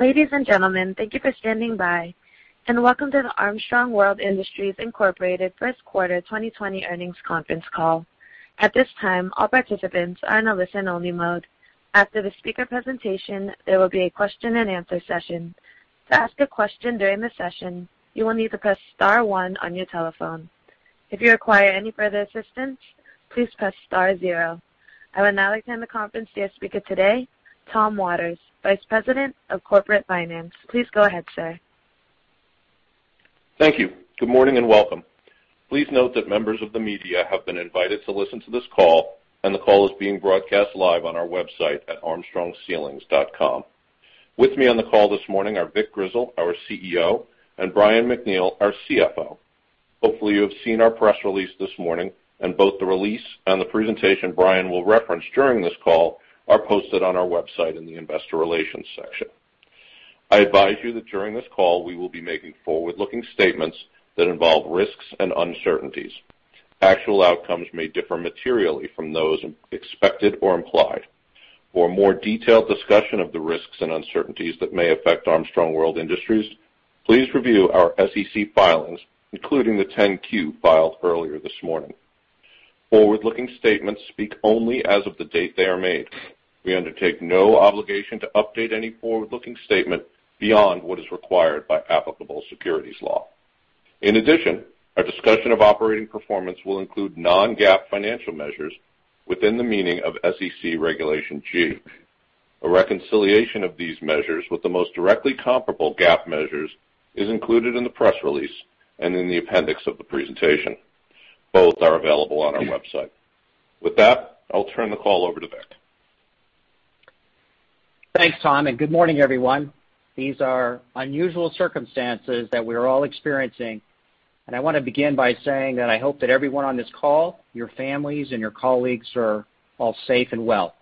Ladies and gentlemen, thank you for standing by, and welcome to the Armstrong World Industries, Incorporated first quarter 2020 earnings conference call. At this time, all participants are in a listen-only mode. After the speaker presentation, there will be a question and answer session. To ask a question during the session, you will need to press star one on your telephone. If you require any further assistance, please press star zero. I would now like to hand the conference to our speaker today, Tom Waters, Vice President of Corporate Finance. Please go ahead, sir. Thank you. Good morning and welcome. Please note that members of the media have been invited to listen to this call, and the call is being broadcast live on our website at armstrongceilings.com. With me on the call this morning are Vic Grizzle, our CEO, and Brian MacNeal, our CFO. Hopefully, you have seen our press release this morning. Both the release and the presentation Brian will reference during this call are posted on our website in the investor relations section. I advise you that during this call, we will be making forward-looking statements that involve risks and uncertainties. Actual outcomes may differ materially from those expected or implied. For a more detailed discussion of the risks and uncertainties that may affect Armstrong World Industries, please review our SEC filings, including the 10-Q filed earlier this morning. Forward-looking statements speak only as of the date they are made. We undertake no obligation to update any forward-looking statement beyond what is required by applicable securities law. In addition, our discussion of operating performance will include non-GAAP financial measures within the meaning of SEC Regulation G. A reconciliation of these measures with the most directly comparable GAAP measures is included in the press release and in the appendix of the presentation. Both are available on our website. With that, I'll turn the call over to Vic. Thanks, Tom, and good morning, everyone. These are unusual circumstances that we're all experiencing, and I want to begin by saying that I hope that everyone on this call, your families, and your colleagues are all safe and well.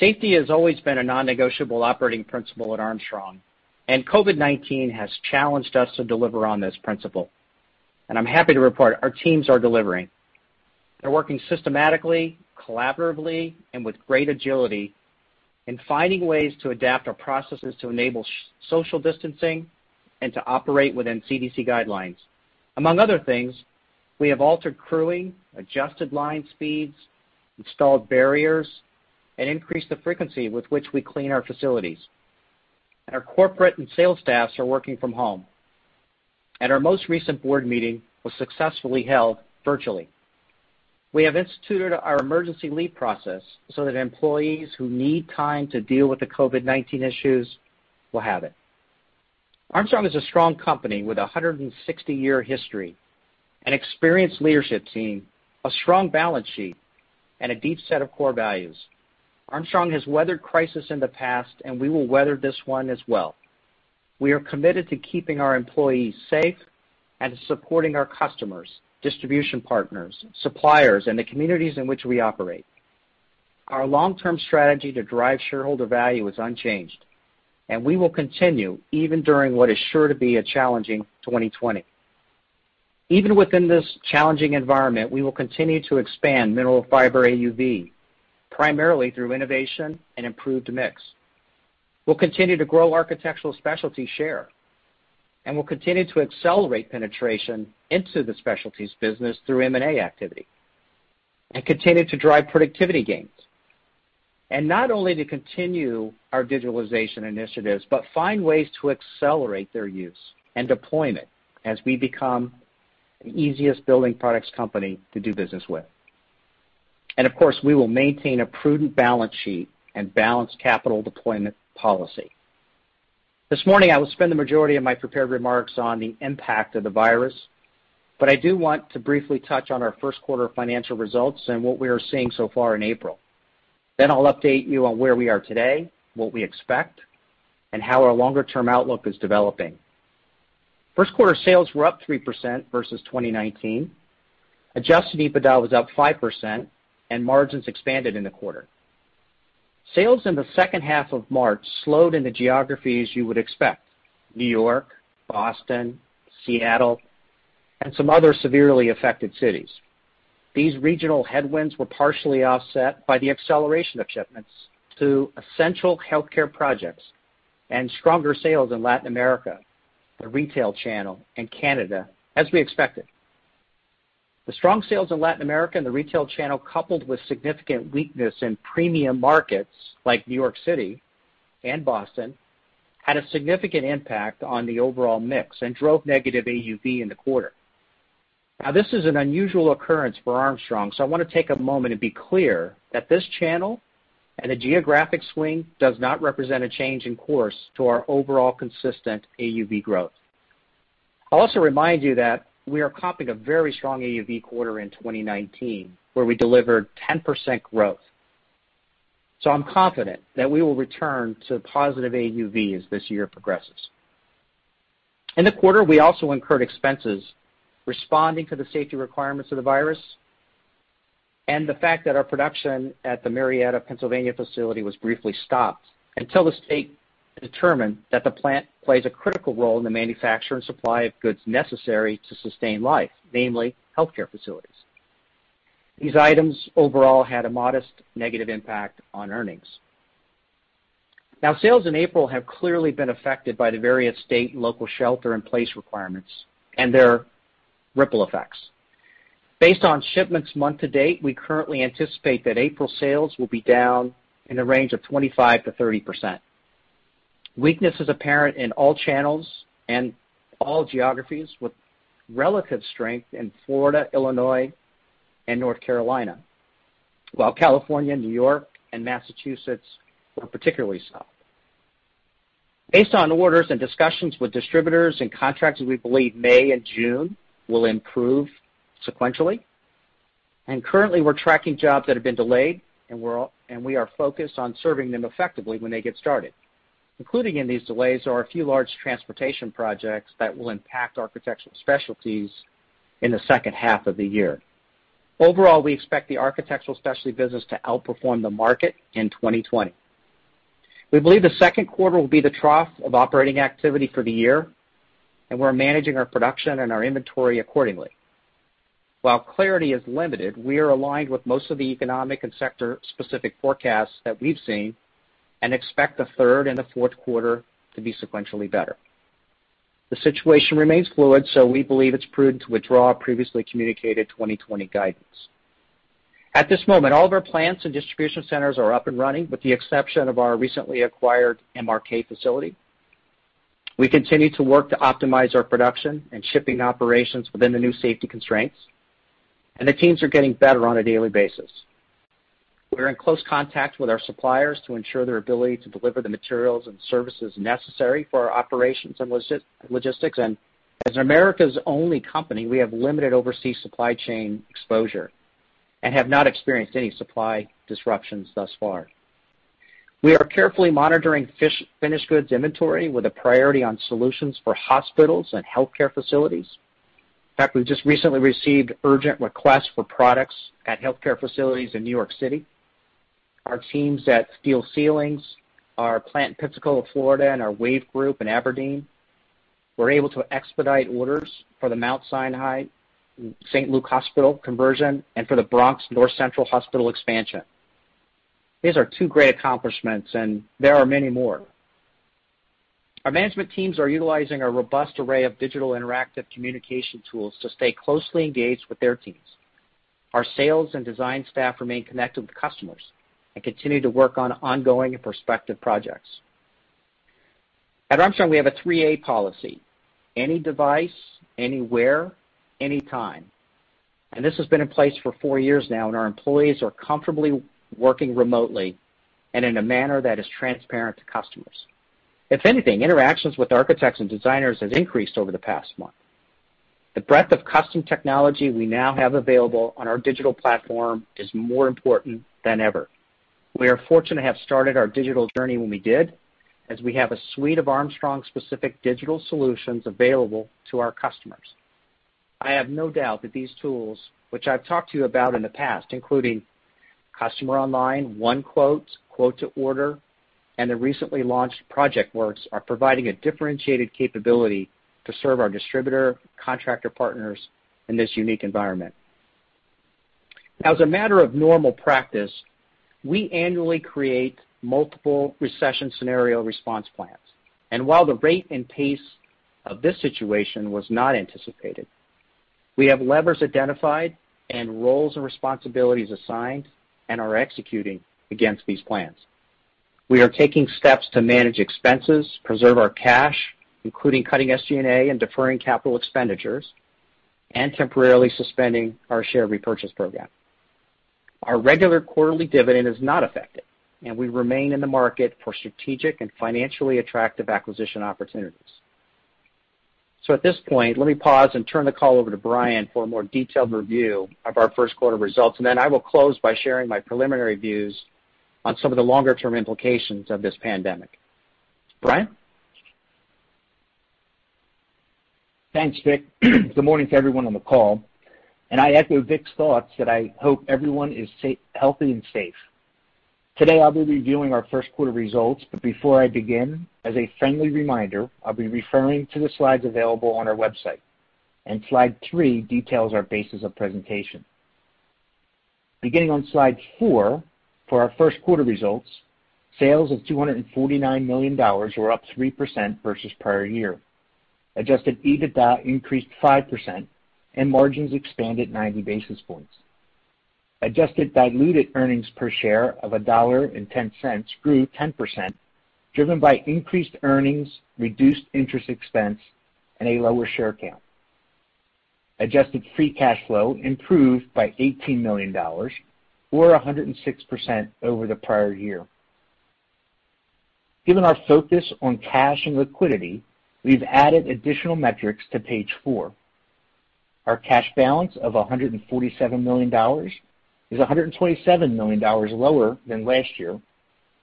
Safety has always been a non-negotiable operating principle at Armstrong, and COVID-19 has challenged us to deliver on this principle, and I'm happy to report our teams are delivering. They're working systematically, collaboratively, and with great agility in finding ways to adapt our processes to enable social distancing and to operate within CDC guidelines. Among other things, we have altered crewing, adjusted line speeds, installed barriers, and increased the frequency with which we clean our facilities. Our corporate and sales staffs are working from home. Our most recent board meeting was successfully held virtually. We have instituted our emergency leave process so that employees who need time to deal with the COVID-19 issues will have it. Armstrong is a strong company with a 160-year history, an experienced leadership team, a strong balance sheet, and a deep set of core values. Armstrong has weathered crisis in the past. We will weather this one as well. We are committed to keeping our employees safe and supporting our customers, distribution partners, suppliers, and the communities in which we operate. Our long-term strategy to drive shareholder value is unchanged. We will continue even during what is sure to be a challenging 2020. Even within this challenging environment, we will continue to expand Mineral Fiber AUV, primarily through innovation and improved mix. We'll continue to grow Architectural Specialties share, and we'll continue to accelerate penetration into the Specialties business through M&A activity and continue to drive productivity gains. Not only to continue our digitalization initiatives, but find ways to accelerate their use and deployment as we become the easiest building products company to do business with. Of course, we will maintain a prudent balance sheet and balanced capital deployment policy. This morning, I will spend the majority of my prepared remarks on the impact of the virus, but I do want to briefly touch on our first quarter financial results and what we are seeing so far in April. I'll update you on where we are today, what we expect, and how our longer-term outlook is developing. First quarter sales were up 3% versus 2019. Adjusted EBITDA was up 5%, and margins expanded in the quarter. Sales in the second half of March slowed in the geographies you would expect: New York, Boston, Seattle, and some other severely affected cities. These regional headwinds were partially offset by the acceleration of shipments to essential healthcare projects and stronger sales in Latin America, the retail channel, and Canada, as we expected. The strong sales in Latin America and the retail channel, coupled with significant weakness in premium markets like New York City and Boston, had a significant impact on the overall mix and drove negative AUV in the quarter. This is an unusual occurrence for Armstrong, so I want to take a moment and be clear that this channel and the geographic swing does not represent a change in course to our overall consistent AUV growth. I'll also remind you that we are comping a very strong AUV quarter in 2019, where we delivered 10% growth. I'm confident that we will return to positive AUV as this year progresses. In the quarter, we also incurred expenses responding to the safety requirements of the virus and the fact that our production at the Marietta, Pennsylvania, facility was briefly stopped until the state determined that the plant plays a critical role in the manufacture and supply of goods necessary to sustain life, namely healthcare facilities. These items overall had a modest negative impact on earnings. Sales in April have clearly been affected by the various state and local shelter-in-place requirements and their ripple effects. Based on shipments month-to-date, we currently anticipate that April sales will be down in the range of 25%-30%. Weakness is apparent in all channels and all geographies, with relative strength in Florida, Illinois, and North Carolina. While California, New York, and Massachusetts were particularly slow. Based on orders and discussions with distributors and contractors, we believe May and June will improve sequentially. Currently, we're tracking jobs that have been delayed, and we are focused on serving them effectively when they get started. Including in these delays are a few large transportation projects that will impact Architectural Specialties in the second half of the year. We expect the Architectural Specialty business to outperform the market in 2020. We believe the second quarter will be the trough of operating activity for the year, and we're managing our production and our inventory accordingly. While clarity is limited, we are aligned with most of the economic and sector-specific forecasts that we've seen and expect the third and the fourth quarter to be sequentially better. The situation remains fluid, We believe it's prudent to withdraw previously communicated 2020 guidance. At this moment, all of our plants and distribution centers are up and running, with the exception of our recently acquired MRK facility. We continue to work to optimize our production and shipping operations within the new safety constraints, and the teams are getting better on a daily basis. We're in close contact with our suppliers to ensure their ability to deliver the materials and services necessary for our operations and logistics. As America's only company, we have limited overseas supply chain exposure and have not experienced any supply disruptions thus far. We are carefully monitoring finished goods inventory with a priority on solutions for hospitals and healthcare facilities. In fact, we've just recently received urgent requests for products at healthcare facilities in New York City. Our teams at Steel Ceilings, our plant in Pensacola, Florida, and our WAVE Group in Aberdeen were able to expedite orders for the Mount Sinai St. Luke's Hospital conversion and for the Bronx North Central Hospital expansion. These are two great accomplishments, and there are many more. Our management teams are utilizing a robust array of digital interactive communication tools to stay closely engaged with their teams. Our sales and design staff remain connected with customers and continue to work on ongoing and prospective projects. At Armstrong, we have a AAA policy, Any device, Anywhere, Anytime, and this has been in place for four years now, and our employees are comfortably working remotely and in a manner that is transparent to customers. If anything, interactions with architects and designers has increased over the past month. The breadth of custom technology we now have available on our digital platform is more important than ever. We are fortunate to have started our digital journey when we did, as we have a suite of Armstrong-specific digital solutions available to our customers. I have no doubt that these tools, which I've talked to you about in the past, including Customer Online, OneQuote, Quote-to-Order, and the recently launched PROJECTWORKS, are providing a differentiated capability to serve our distributor contractor partners in this unique environment. Now, as a matter of normal practice, we annually create multiple recession scenario response plans. While the rate and pace of this situation was not anticipated, we have levers identified and roles and responsibilities assigned and are executing against these plans. We are taking steps to manage expenses, preserve our cash, including cutting SG&A and deferring capital expenditures, and temporarily suspending our share repurchase program. Our regular quarterly dividend is not affected, and we remain in the market for strategic and financially attractive acquisition opportunities. At this point, let me pause and turn the call over to Brian for a more detailed review of our first quarter results, and then I will close by sharing my preliminary views on some of the longer-term implications of this pandemic. Brian? Thanks, Vic. Good morning to everyone on the call. I echo Vic's thoughts that I hope everyone is healthy and safe. Today, I'll be reviewing our first quarter results. Before I begin, as a friendly reminder, I'll be referring to the slides available on our website. Slide three details our basis of presentation. Beginning on slide four for our first quarter results, sales of $249 million were up 3% versus prior year. Adjusted EBITDA increased 5%. Margins expanded 90 basis points. Adjusted diluted earnings per share of $1.10 grew 10%, driven by increased earnings, reduced interest expense, and a lower share count. Adjusted free cash flow improved by $18 million or 106% over the prior year. Given our focus on cash and liquidity, we've added additional metrics to page four. Our cash balance of $147 million is $127 million lower than last year,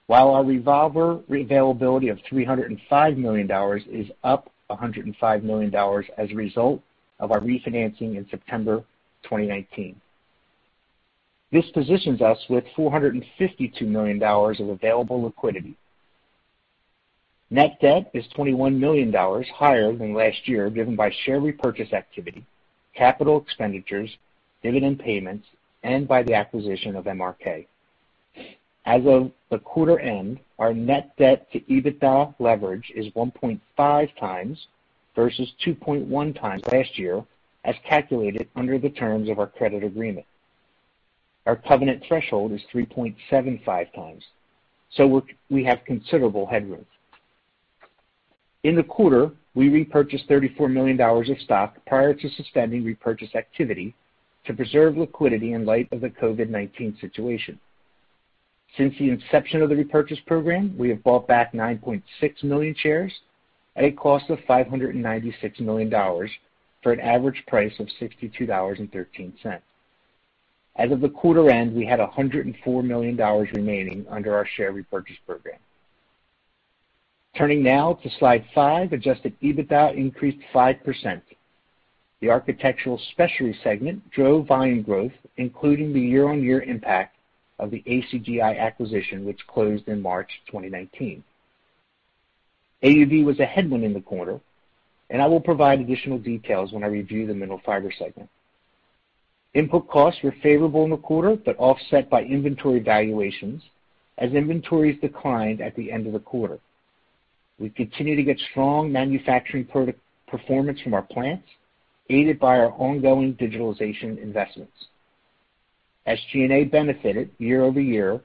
while our revolver availability of $305 million is up $105 million as a result of our refinancing in September 2019. This positions us with $452 million of available liquidity. Net debt is $21 million higher than last year, driven by share repurchase activity, capital expenditures, dividend payments, and by the acquisition of MRK. As of the quarter end, our net debt to EBITDA leverage is 1.5x, versus 2.1x last year, as calculated under the terms of our credit agreement. Our covenant threshold is 3.75x, so we have considerable headroom. In the quarter, we repurchased $34 million of stock prior to suspending repurchase activity to preserve liquidity in light of the COVID-19 situation. Since the inception of the repurchase program, we have bought back 9.6 million shares at a cost of $596 million, for an average price of $62.13. As of the quarter end, we had $104 million remaining under our share repurchase program. Turning now to slide five, Adjusted EBITDA increased 5%. The Architectural Specialties segment drove volume growth, including the year-on-year impact of the ACGI acquisition, which closed in March 2019. AUV was a headwind in the quarter, and I will provide additional details when I review the Mineral Fiber segment. Input costs were favorable in the quarter, but offset by inventory valuations as inventories declined at the end of the quarter. We continue to get strong manufacturing performance from our plants, aided by our ongoing digitalization investments. SG&A benefited year-over-year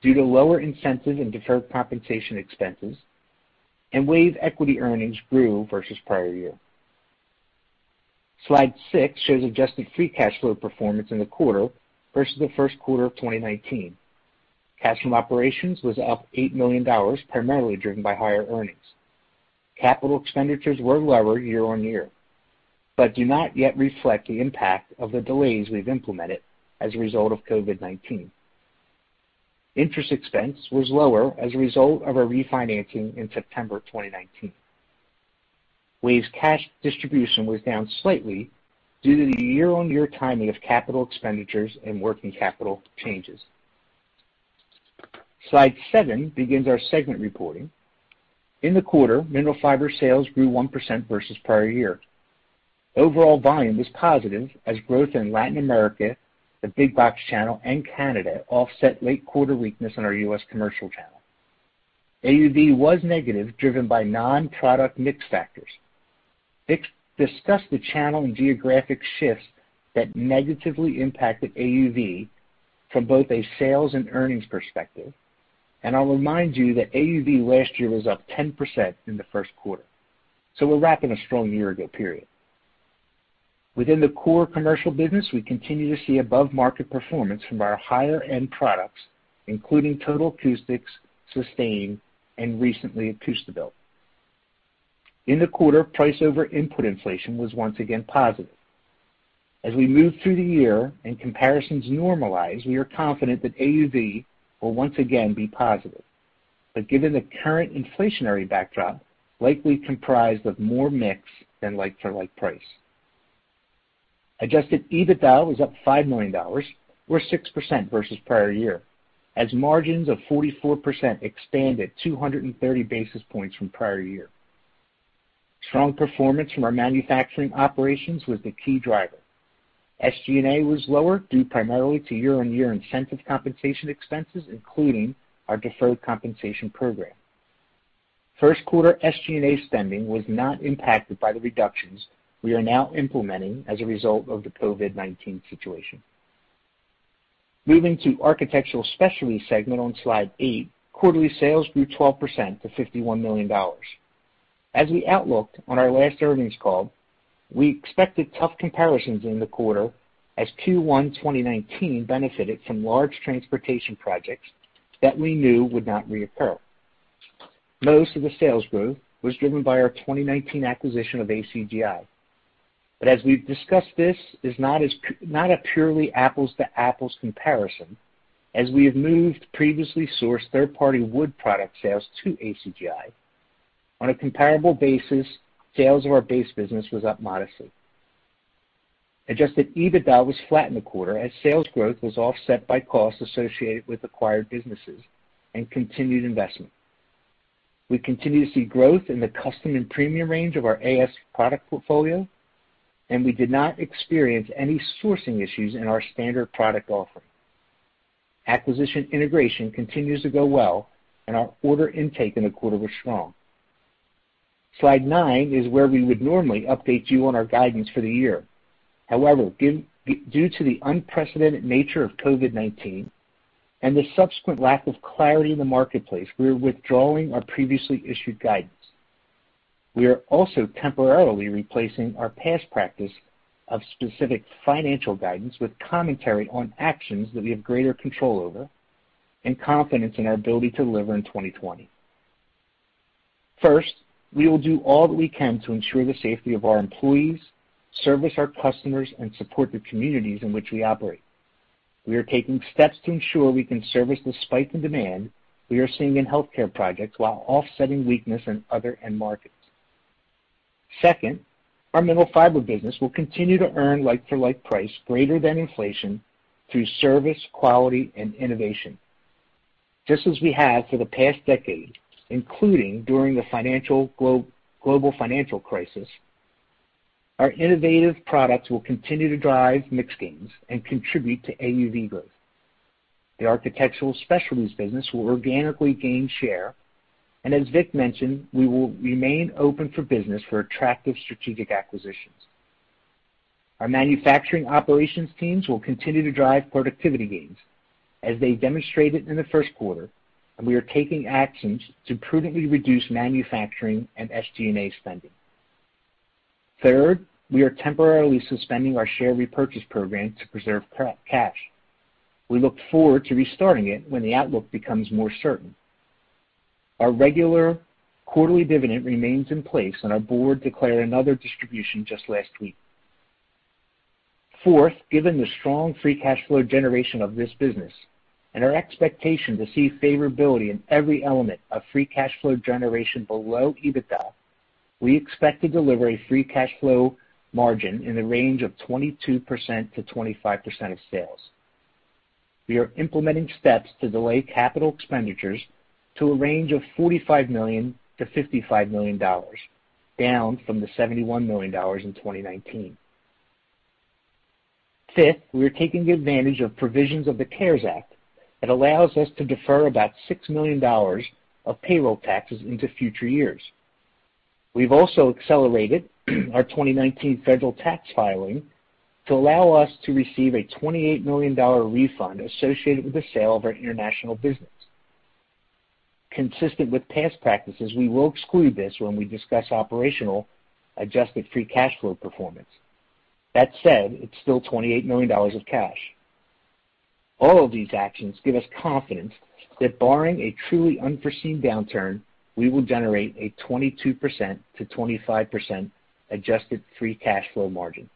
due to lower incentive and deferred compensation expenses, and WAVE equity earnings grew versus prior year. Slide six shows adjusted free cash flow performance in the quarter versus the first quarter of 2019. Cash from operations was up $8 million, primarily driven by higher earnings. Capital expenditures were lower year-on-year, but do not yet reflect the impact of the delays we've implemented as a result of COVID-19. Interest expense was lower as a result of our refinancing in September 2019. WAVE's cash distribution was down slightly due to the year-on-year timing of capital expenditures and working capital changes. Slide seven begins our segment reporting. In the quarter, Mineral Fiber sales grew 1% versus prior year. Overall volume was positive as growth in Latin America, the big box channel, and Canada offset late quarter weakness in our U.S. commercial channel. AUV was negative, driven by non-product mix factors. Vic discussed the channel and geographic shifts that negatively impacted AUV from both a sales and earnings perspective, and I'll remind you that AUV last year was up 10% in the first quarter. We're wrapping a strong year-ago period. Within the core commercial business, we continue to see above-market performance from our higher end products, including Total Acoustics, Sustain®, and recently AcoustiBilt. In the quarter, price over input inflation was once again positive. As we move through the year and comparisons normalize, we are confident that AUV will once again be positive. Given the current inflationary backdrop, likely comprised of more mix than like-for-like price. Adjusted EBITDA was up $5 million, or 6% versus prior year, as margins of 44% expanded 230 basis points from prior year. Strong performance from our manufacturing operations was the key driver. SG&A was lower due primarily to year-on-year incentive compensation expenses, including our deferred compensation program. First quarter SG&A spending was not impacted by the reductions we are now implementing as a result of the COVID-19 situation. Moving to Architectural Specialty segment on slide eight, quarterly sales grew 12% to $51 million. As we outlooked on our last earnings call, we expected tough comparisons in the quarter, as Q1 2019 benefited from large transportation projects that we knew would not reoccur. Most of the sales growth was driven by our 2019 acquisition of ACGI. As we've discussed, this is not a purely apples-to-apples comparison, as we have moved previously sourced third-party wood product sales to ACGI. On a comparable basis, sales of our base business was up modestly. Adjusted EBITDA was flat in the quarter as sales growth was offset by costs associated with acquired businesses and continued investment. We continue to see growth in the custom and premium range of our AS product portfolio, and we did not experience any sourcing issues in our standard product offering. Acquisition integration continues to go well, and our order intake in the quarter was strong. Slide nine is where we would normally update you on our guidance for the year. However, due to the unprecedented nature of COVID-19 and the subsequent lack of clarity in the marketplace, we are withdrawing our previously issued guidance. We are also temporarily replacing our past practice of specific financial guidance with commentary on actions that we have greater control over and confidence in our ability to deliver in 2020. First, we will do all that we can to ensure the safety of our employees, service our customers, and support the communities in which we operate. We are taking steps to ensure we can service the spike in demand we are seeing in healthcare projects while offsetting weakness in other end markets. Second, our Mineral Fiber business will continue to earn like-for-like price greater than inflation through service, quality, and innovation. Just as we have for the past decade, including during the Global Financial Crisis, our innovative products will continue to drive mix gains and contribute to AUV growth. The Architectural Specialties business will organically gain share, and as Vic mentioned, we will remain open for business for attractive strategic acquisitions. Our manufacturing operations teams will continue to drive productivity gains, as they demonstrated in the first quarter, and we are taking actions to prudently reduce manufacturing and SG&A spending. Third, we are temporarily suspending our share repurchase program to preserve cash. We look forward to restarting it when the outlook becomes more certain. Our regular quarterly dividend remains in place, and our board declared another distribution just last week. Fourth, given the strong free cash flow generation of this business and our expectation to see favorability in every element of free cash flow generation below EBITDA, we expect to deliver a free cash flow margin in the range of 22%-25% of sales. We are implementing steps to delay capital expenditures to a range of $45 million-$55 million, down from the $71 million in 2019. Fifth, we are taking advantage of provisions of the CARES Act that allows us to defer about $6 million of payroll taxes into future years. We've also accelerated our 2019 federal tax filing to allow us to receive a $28 million refund associated with the sale of our International business. Consistent with past practices, we will exclude this when we discuss operational adjusted free cash flow performance. That said, it's still $28 million of cash. All of these actions give us confidence that barring a truly unforeseen downturn, we will generate a 22%-25% adjusted free cash flow margin.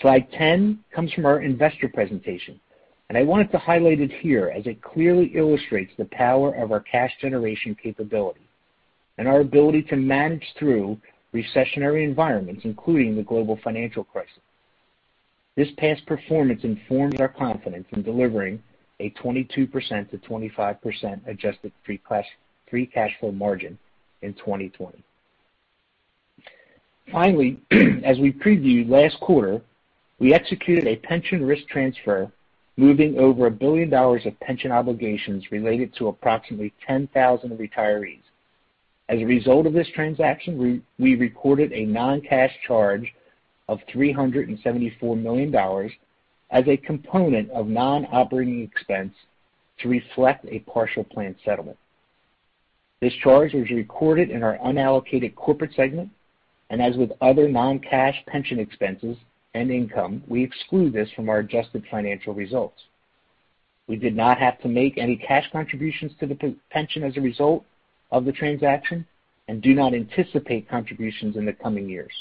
Slide 10 comes from our investor presentation, and I wanted to highlight it here as it clearly illustrates the power of our cash generation capability and our ability to manage through recessionary environments, including the Global Financial Crisis. This past performance informs our confidence in delivering a 22%-25% adjusted free cash flow margin in 2020. Finally, as we previewed last quarter, we executed a pension risk transfer, moving over $1 billion of pension obligations related to approximately 10,000 retirees. As a result of this transaction, we recorded a non-cash charge of $374 million as a component of non-operating expense to reflect a partial plan settlement. This charge was recorded in our unallocated corporate segment, and as with other non-cash pension expenses and income, we exclude this from our adjusted financial results. We did not have to make any cash contributions to the pension as a result of the transaction and do not anticipate contributions in the coming years.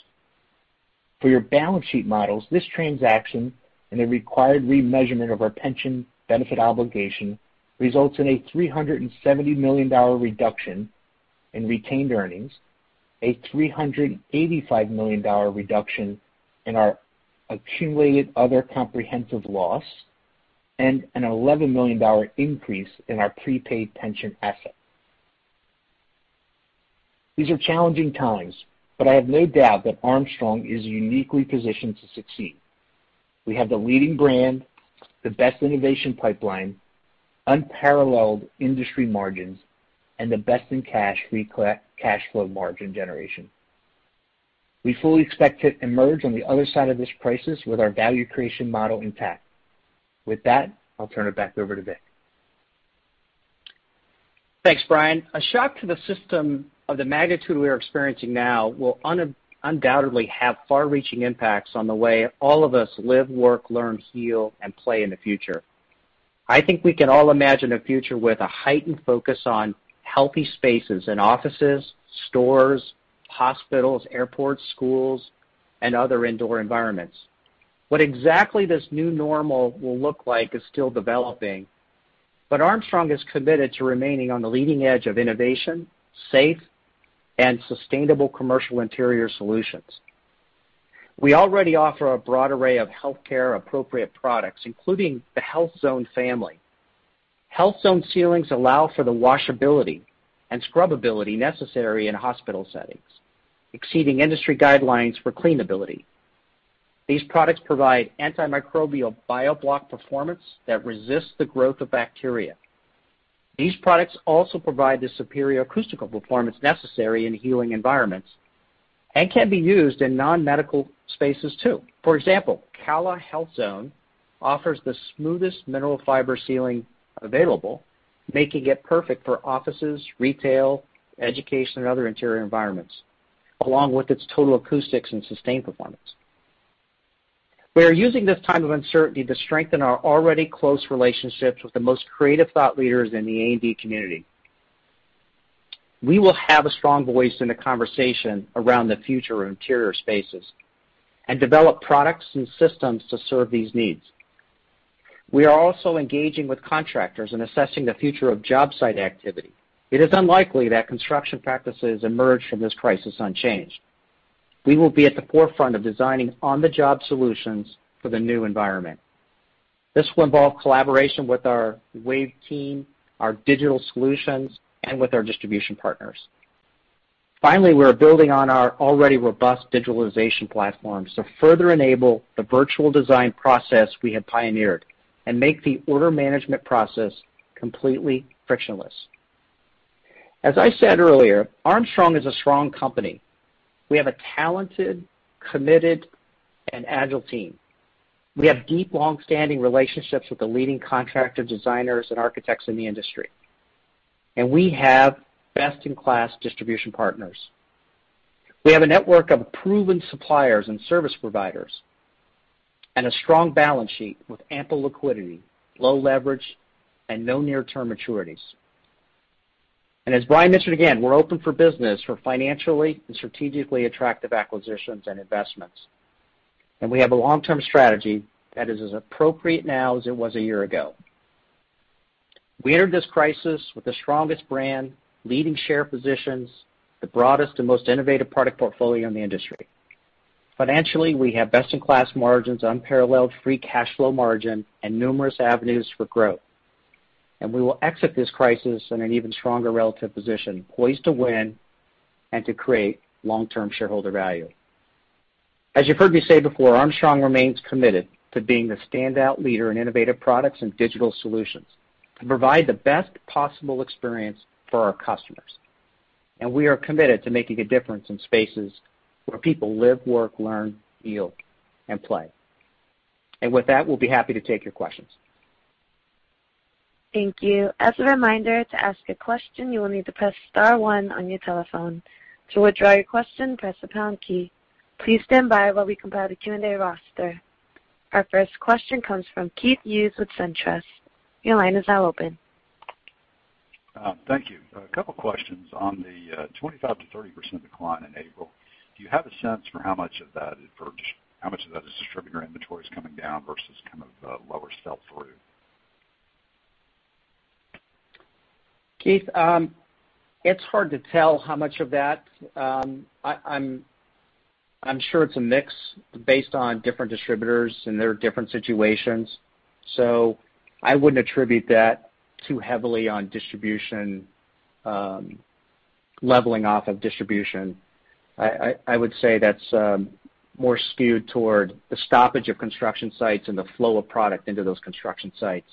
For your balance sheet models, this transaction and the required remeasurement of our pension benefit obligation results in a $370 million reduction in retained earnings, a $385 million reduction in our accumulated other comprehensive loss, and an $11 million increase in our prepaid pension asset. These are challenging times, but I have no doubt that Armstrong is uniquely positioned to succeed. We have the leading brand, the best innovation pipeline, unparalleled industry margins, and the best in cash free cash flow margin generation. We fully expect to emerge on the other side of this crisis with our value creation model intact. With that, I'll turn it back over to Vic. Thanks, Brian. A shock to the system of the magnitude we are experiencing now will undoubtedly have far-reaching impacts on the way all of us live, work, learn, heal, and play in the future. I think we can all imagine a future with a heightened focus on healthy spaces in offices, stores, hospitals, airports, schools, and other indoor environments. What exactly this new normal will look like is still developing, but Armstrong is committed to remaining on the leading edge of innovation, safe, and sustainable commercial interior solutions. We already offer a broad array of healthcare-appropriate products, including the HEALTH ZONE family. HEALTH ZONE ceilings allow for the washability and scrubability necessary in hospital settings, exceeding industry guidelines for cleanability. These products provide antimicrobial BioBlock performance that resists the growth of bacteria. These products also provide the superior acoustical performance necessary in healing environments and can be used in non-medical spaces, too. For example, CALLA HEALTH ZONE offers the smoothest Mineral Fiber ceiling available, making it perfect for offices, retail, education, and other interior environments, along with its Total Acoustics and Sustain® performance. We are using this time of uncertainty to strengthen our already close relationships with the most creative thought leaders in the A&D community. We will have a strong voice in the conversation around the future of interior spaces and develop products and systems to serve these needs. We are also engaging with contractors and assessing the future of job site activity. It is unlikely that construction practices emerge from this crisis unchanged. We will be at the forefront of designing on-the-job solutions for the new environment. This will involve collaboration with our WAVE team, our digital solutions, and with our distribution partners. Finally, we're building on our already robust digitalization platform to further enable the virtual design process we have pioneered and make the order management process completely frictionless. As I said earlier, Armstrong is a strong company. We have a talented, committed, and agile team. We have deep, long-standing relationships with the leading contractor designers and architects in the industry. We have best-in-class distribution partners. We have a network of proven suppliers and service providers and a strong balance sheet with ample liquidity, low leverage, and no near-term maturities. As Brian mentioned again, we're open for business for financially and strategically attractive acquisitions and investments. We have a long-term strategy that is as appropriate now as it was a year ago. We entered this crisis with the strongest brand, leading share positions, the broadest and most innovative product portfolio in the industry. Financially, we have best-in-class margins, unparalleled free cash flow margin, and numerous avenues for growth. We will exit this crisis in an even stronger relative position, poised to win and to create long-term shareholder value. As you've heard me say before, Armstrong remains committed to being the standout leader in innovative products and digital solutions to provide the best possible experience for our customers. We are committed to making a difference in spaces where people live, work, learn, heal, and play. With that, we'll be happy to take your questions. Thank you. As a reminder, to ask a question, you will need to press star one on your telephone. To withdraw your question, press the pound key. Please stand by while we compile the Q&A roster. Our first question comes from Keith Hughes with SunTrust. Your line is now open. Thank you. A couple questions on the 25%-30% decline in April. Do you have a sense for how much of that is distributor inventories coming down versus kind of lower sell-through? Keith, it's hard to tell how much of that. I'm sure it's a mix based on different distributors and their different situations. I wouldn't attribute that too heavily on leveling off of distribution. I would say that's more skewed toward the stoppage of construction sites and the flow of product into those construction sites.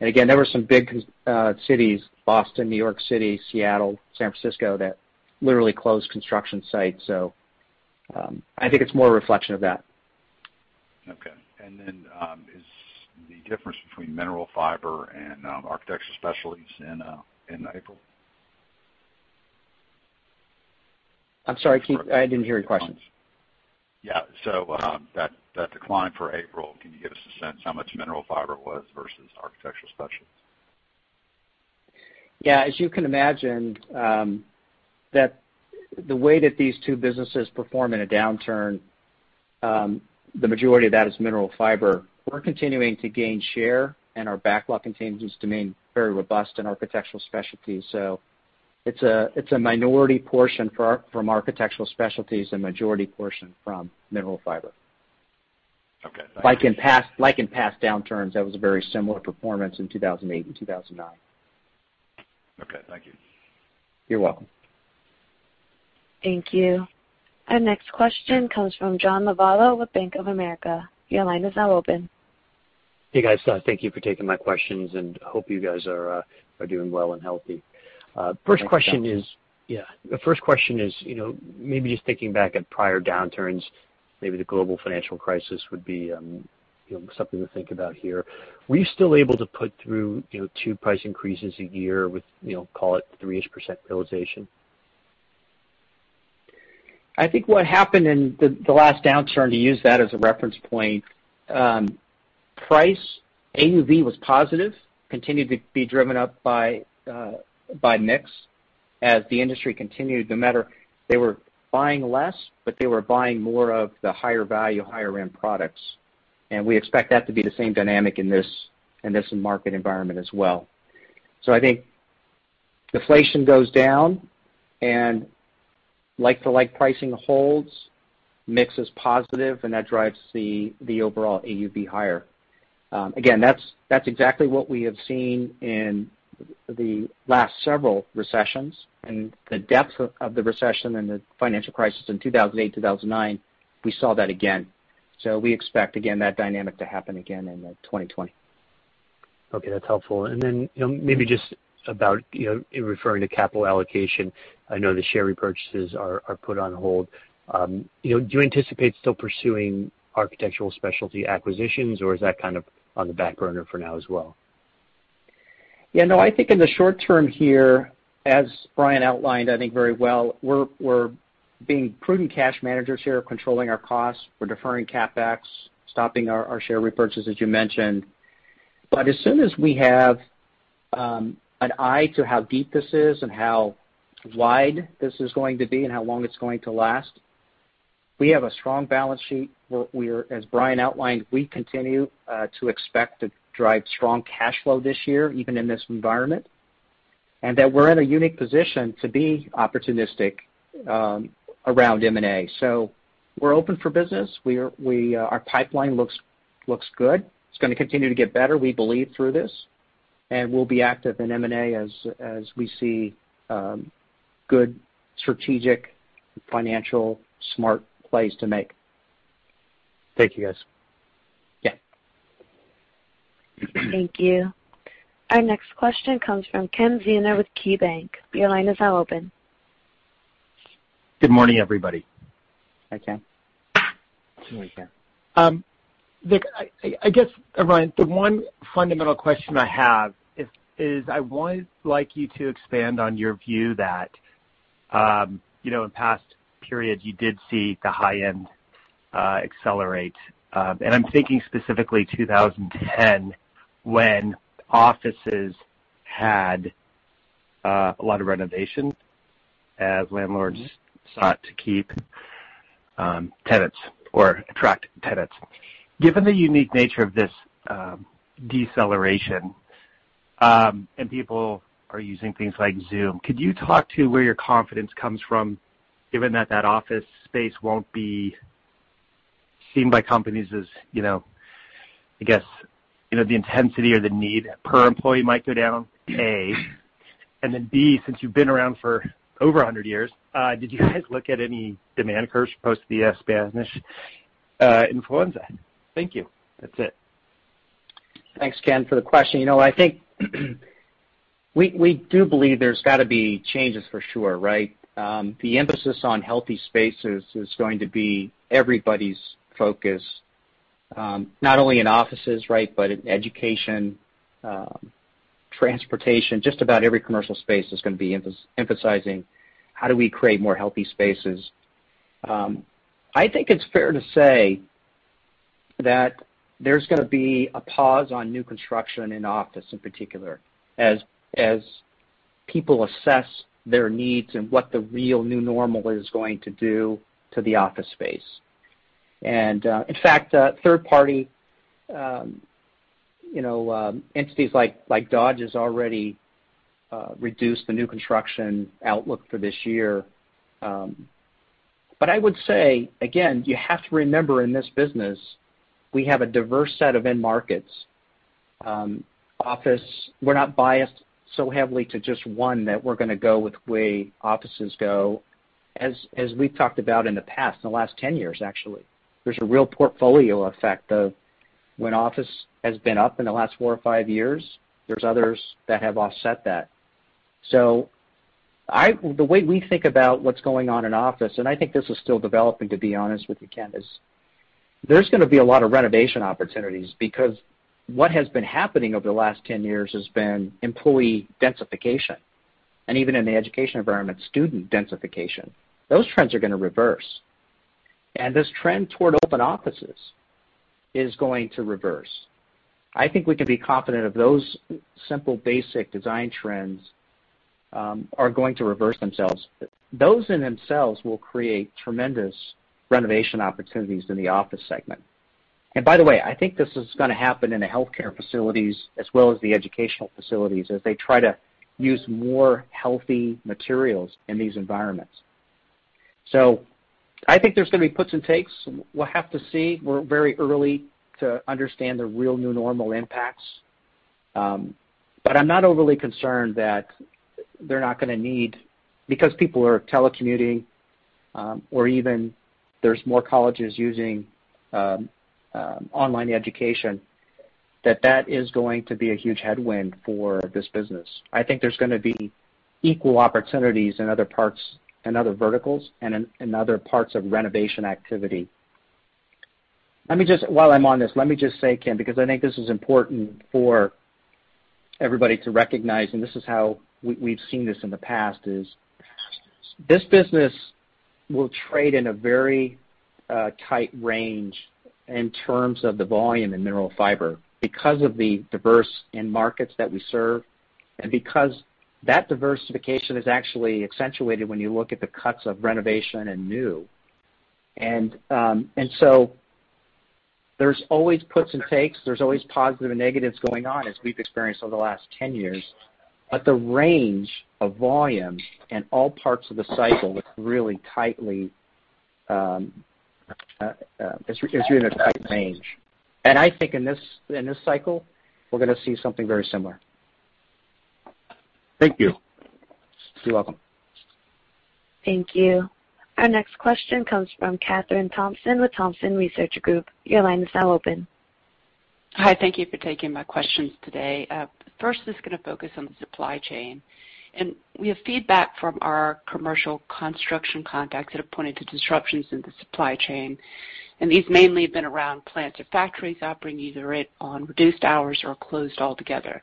Again, there were some big cities, Boston, New York City, Seattle, San Francisco, that literally closed construction sites. I think it's more a reflection of that. Okay. Is the difference between Mineral Fiber and Architectural Specialties in April? I'm sorry, Keith. I didn't hear your question. Yeah. That decline for April, can you give us a sense how much Mineral Fiber was versus Architectural Specialties? As you can imagine, the way that these two businesses perform in a downturn, the majority of that is Mineral Fiber. We're continuing to gain share, and our backlog continues to remain very robust in Architectural Specialties. It's a minority portion from Architectural Specialties and majority portion from Mineral Fiber. Okay. Thank you. Like in past downturns. That was a very similar performance in 2008 and 2009. Okay, thank you. You're welcome. Thank you. Our next question comes from John Lovallo with Bank of America. Your line is now open. Hey, guys. Thank you for taking my questions, and hope you guys are doing well and healthy. First question is maybe just thinking back at prior downturns, maybe the global financial crisis would be something to think about here. Were you still able to put through two price increases a year with call it 3-ish% realization? I think what happened in the last downturn, to use that as a reference point, price AUV was positive, continued to be driven up by mix as the industry continued. No matter, they were buying less, but they were buying more of the higher value, higher end products. We expect that to be the same dynamic in this market environment as well. I think deflation goes down and like-to-like pricing holds, mix is positive, and that drives the overall AUV higher. That's exactly what we have seen in the last several recessions and the depth of the recession and the financial crisis in 2008, 2009, we saw that again. We expect, again, that dynamic to happen again in 2020. Okay, that's helpful. Maybe just about, in referring to capital allocation, I know the share repurchases are put on hold. Do you anticipate still pursuing Architectural Specialties acquisitions or is that kind of on the back burner for now as well? Yeah, no, I think in the short term here, as Brian outlined I think very well, we're being prudent cash managers here, controlling our costs. We're deferring CapEx, stopping our share repurchase, as you mentioned. As soon as we have an eye to how deep this is and how wide this is going to be and how long it's going to last. We have a strong balance sheet, where we are, as Brian outlined, we continue to expect to drive strong cash flow this year, even in this environment. That we're in a unique position to be opportunistic around M&A. We're open for business. Our pipeline looks good. It's going to continue to get better, we believe, through this, and we'll be active in M&A as we see good strategic, financial, smart plays to make. Thank you, guys. Yeah. Thank you. Our next question comes from Ken Zener with KeyBanc. Your line is now open. Good morning, everybody. Hi, Ken. Vic, I guess, Brian, the one fundamental question I have is I would like you to expand on your view that in past periods you did see the high end accelerate. I'm thinking specifically 2010, when offices had a lot of renovation as landlords sought to keep tenants or attract tenants. Given the unique nature of this deceleration, and people are using things like Zoom, could you talk to where your confidence comes from, given that that office space won't be seen by companies as the intensity or the need per employee might go down, A. Then B, since you've been around for over 100 years, did you guys look at any demand curves post the Spanish influenza? Thank you. That's it. Thanks, Ken, for the question. I think we do believe there's got to be changes for sure, right? The emphasis on healthy spaces is going to be everybody's focus, not only in offices, right, but in education, transportation. Just about every commercial space is going to be emphasizing how do we create more healthy spaces. I think it's fair to say that there's going to be a pause on new construction in office, in particular, as people assess their needs and what the real new normal is going to do to the office space. In fact, third party entities like Dodge has already reduced the new construction outlook for this year. I would say, again, you have to remember, in this business, we have a diverse set of end markets. Office, we're not biased so heavily to just one that we're going to go with the way offices go. As we've talked about in the past, in the last 10 years, actually, there's a real portfolio effect of when office has been up in the last four or five years, there's others that have offset that. The way we think about what's going on in office, and I think this is still developing, to be honest with you, Ken, is there's going to be a lot of renovation opportunities because what has been happening over the last 10 years has been employee densification. Even in the education environment, student densification. Those trends are going to reverse. This trend toward open offices is going to reverse. I think we can be confident of those simple, basic design trends are going to reverse themselves. Those in themselves will create tremendous renovation opportunities in the office segment. By the way, I think this is going to happen in the healthcare facilities as well as the educational facilities as they try to use more healthy materials in these environments. I think there's going to be puts and takes. We'll have to see. We're very early to understand the real new normal impacts. I'm not overly concerned that they're not going to need, because people are telecommuting, or even there's more colleges using online education, that that is going to be a huge headwind for this business. I think there's going to be equal opportunities in other verticals and in other parts of renovation activity. While I'm on this, let me just say, Ken, because I think this is important for everybody to recognize, and this is how we've seen this in the past, is this business will trade in a very tight range in terms of the volume in Mineral Fiber because of the diverse end markets that we serve, and because that diversification is actually accentuated when you look at the cuts of renovation and new. There's always puts and takes. There's always positive and negatives going on, as we've experienced over the last 10 years. The range of volume in all parts of the cycle is really tightly, is really in a tight range. I think in this cycle, we're going to see something very similar. Thank you. You're welcome. Thank you. Our next question comes from Kathryn Thompson with Thompson Research Group. Your line is now open. Hi. Thank you for taking my questions today. First is going to focus on the supply chain. We have feedback from our commercial construction contacts that have pointed to disruptions in the supply chain, and these mainly have been around plants or factories operating either on reduced hours or closed altogether.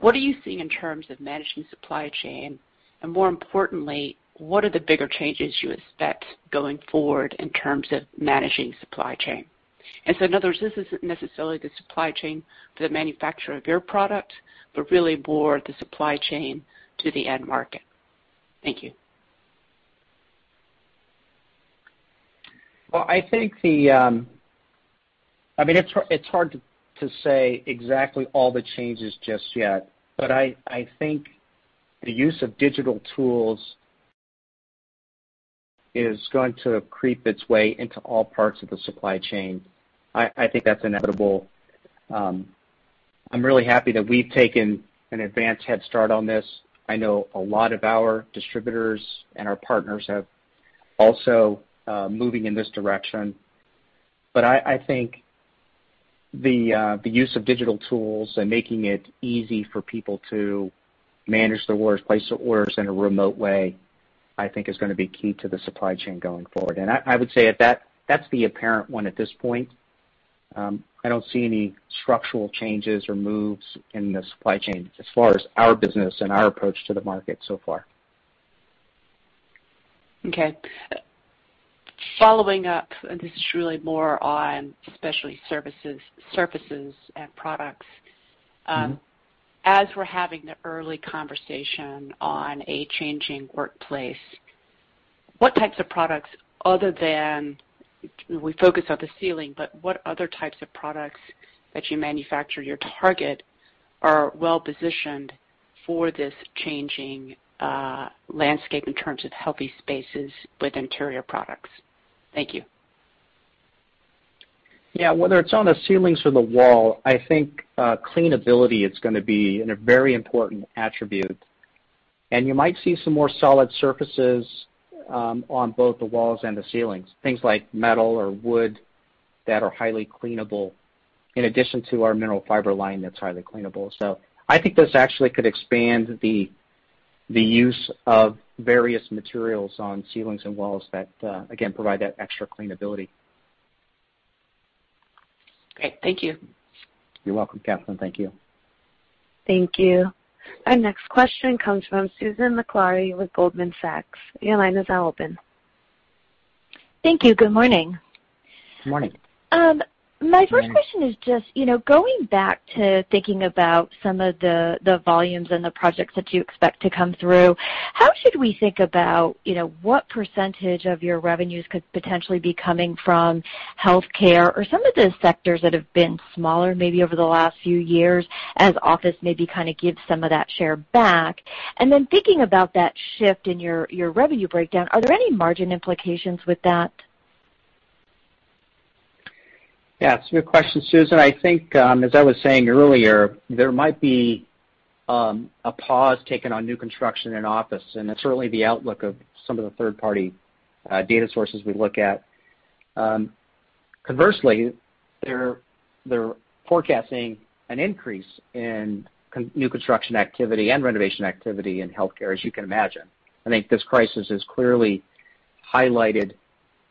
What are you seeing in terms of managing supply chain, and more importantly, what are the bigger changes you expect going forward in terms of managing supply chain? In others, this isn't necessarily the supply chain for the manufacturer of your product, but really more the supply chain to the end market. Thank you. Well, it's hard to say exactly all the changes just yet, but I think the use of digital tools is going to creep its way into all parts of the supply chain. I think that's inevitable. I'm really happy that we've taken an advanced head start on this. I know a lot of our distributors and our partners are also moving in this direction. I think the use of digital tools and making it easy for people to manage their orders, place their orders in a remote way, I think, is going to be key to the supply chain going forward. I would say that's the apparent one at this point. I don't see any structural changes or moves in the supply chain as far as our business and our approach to the market so far. Okay. Following up, this is really more on Specialty services and products. As we're having the early conversation on a changing workplace, what types of products, we focus on the ceiling, but what other types of products that you manufacture, you target, are well-positioned for this changing landscape in terms of healthy spaces with interior products? Thank you. Yeah. Whether it's on the ceilings or the wall, I think cleanability is going to be a very important attribute. You might see some more solid surfaces on both the walls and the ceilings, things like metal or wood that are highly cleanable, in addition to our Mineral Fiber line that's highly cleanable. I think this actually could expand the use of various materials on ceilings and walls that, again, provide that extra cleanability. Great. Thank you. You're welcome, Kathryn. Thank you. Thank you. Our next question comes from Susan Maklari with Goldman Sachs. Your line is now open. Thank you. Good morning. Morning. My first question is just, going back to thinking about some of the volumes and the projects that you expect to come through, how should we think about what percentage of your revenues could potentially be coming from healthcare or some of the sectors that have been smaller, maybe over the last few years, as office maybe kind of gives some of that share back? Thinking about that shift in your revenue breakdown, are there any margin implications with that? Yeah, it's a good question, Susan. I think, as I was saying earlier, there might be a pause taken on new construction and office, and that's really the outlook of some of the third-party data sources we look at. Conversely, they're forecasting an increase in new construction activity and renovation activity in healthcare, as you can imagine. I think this crisis has clearly highlighted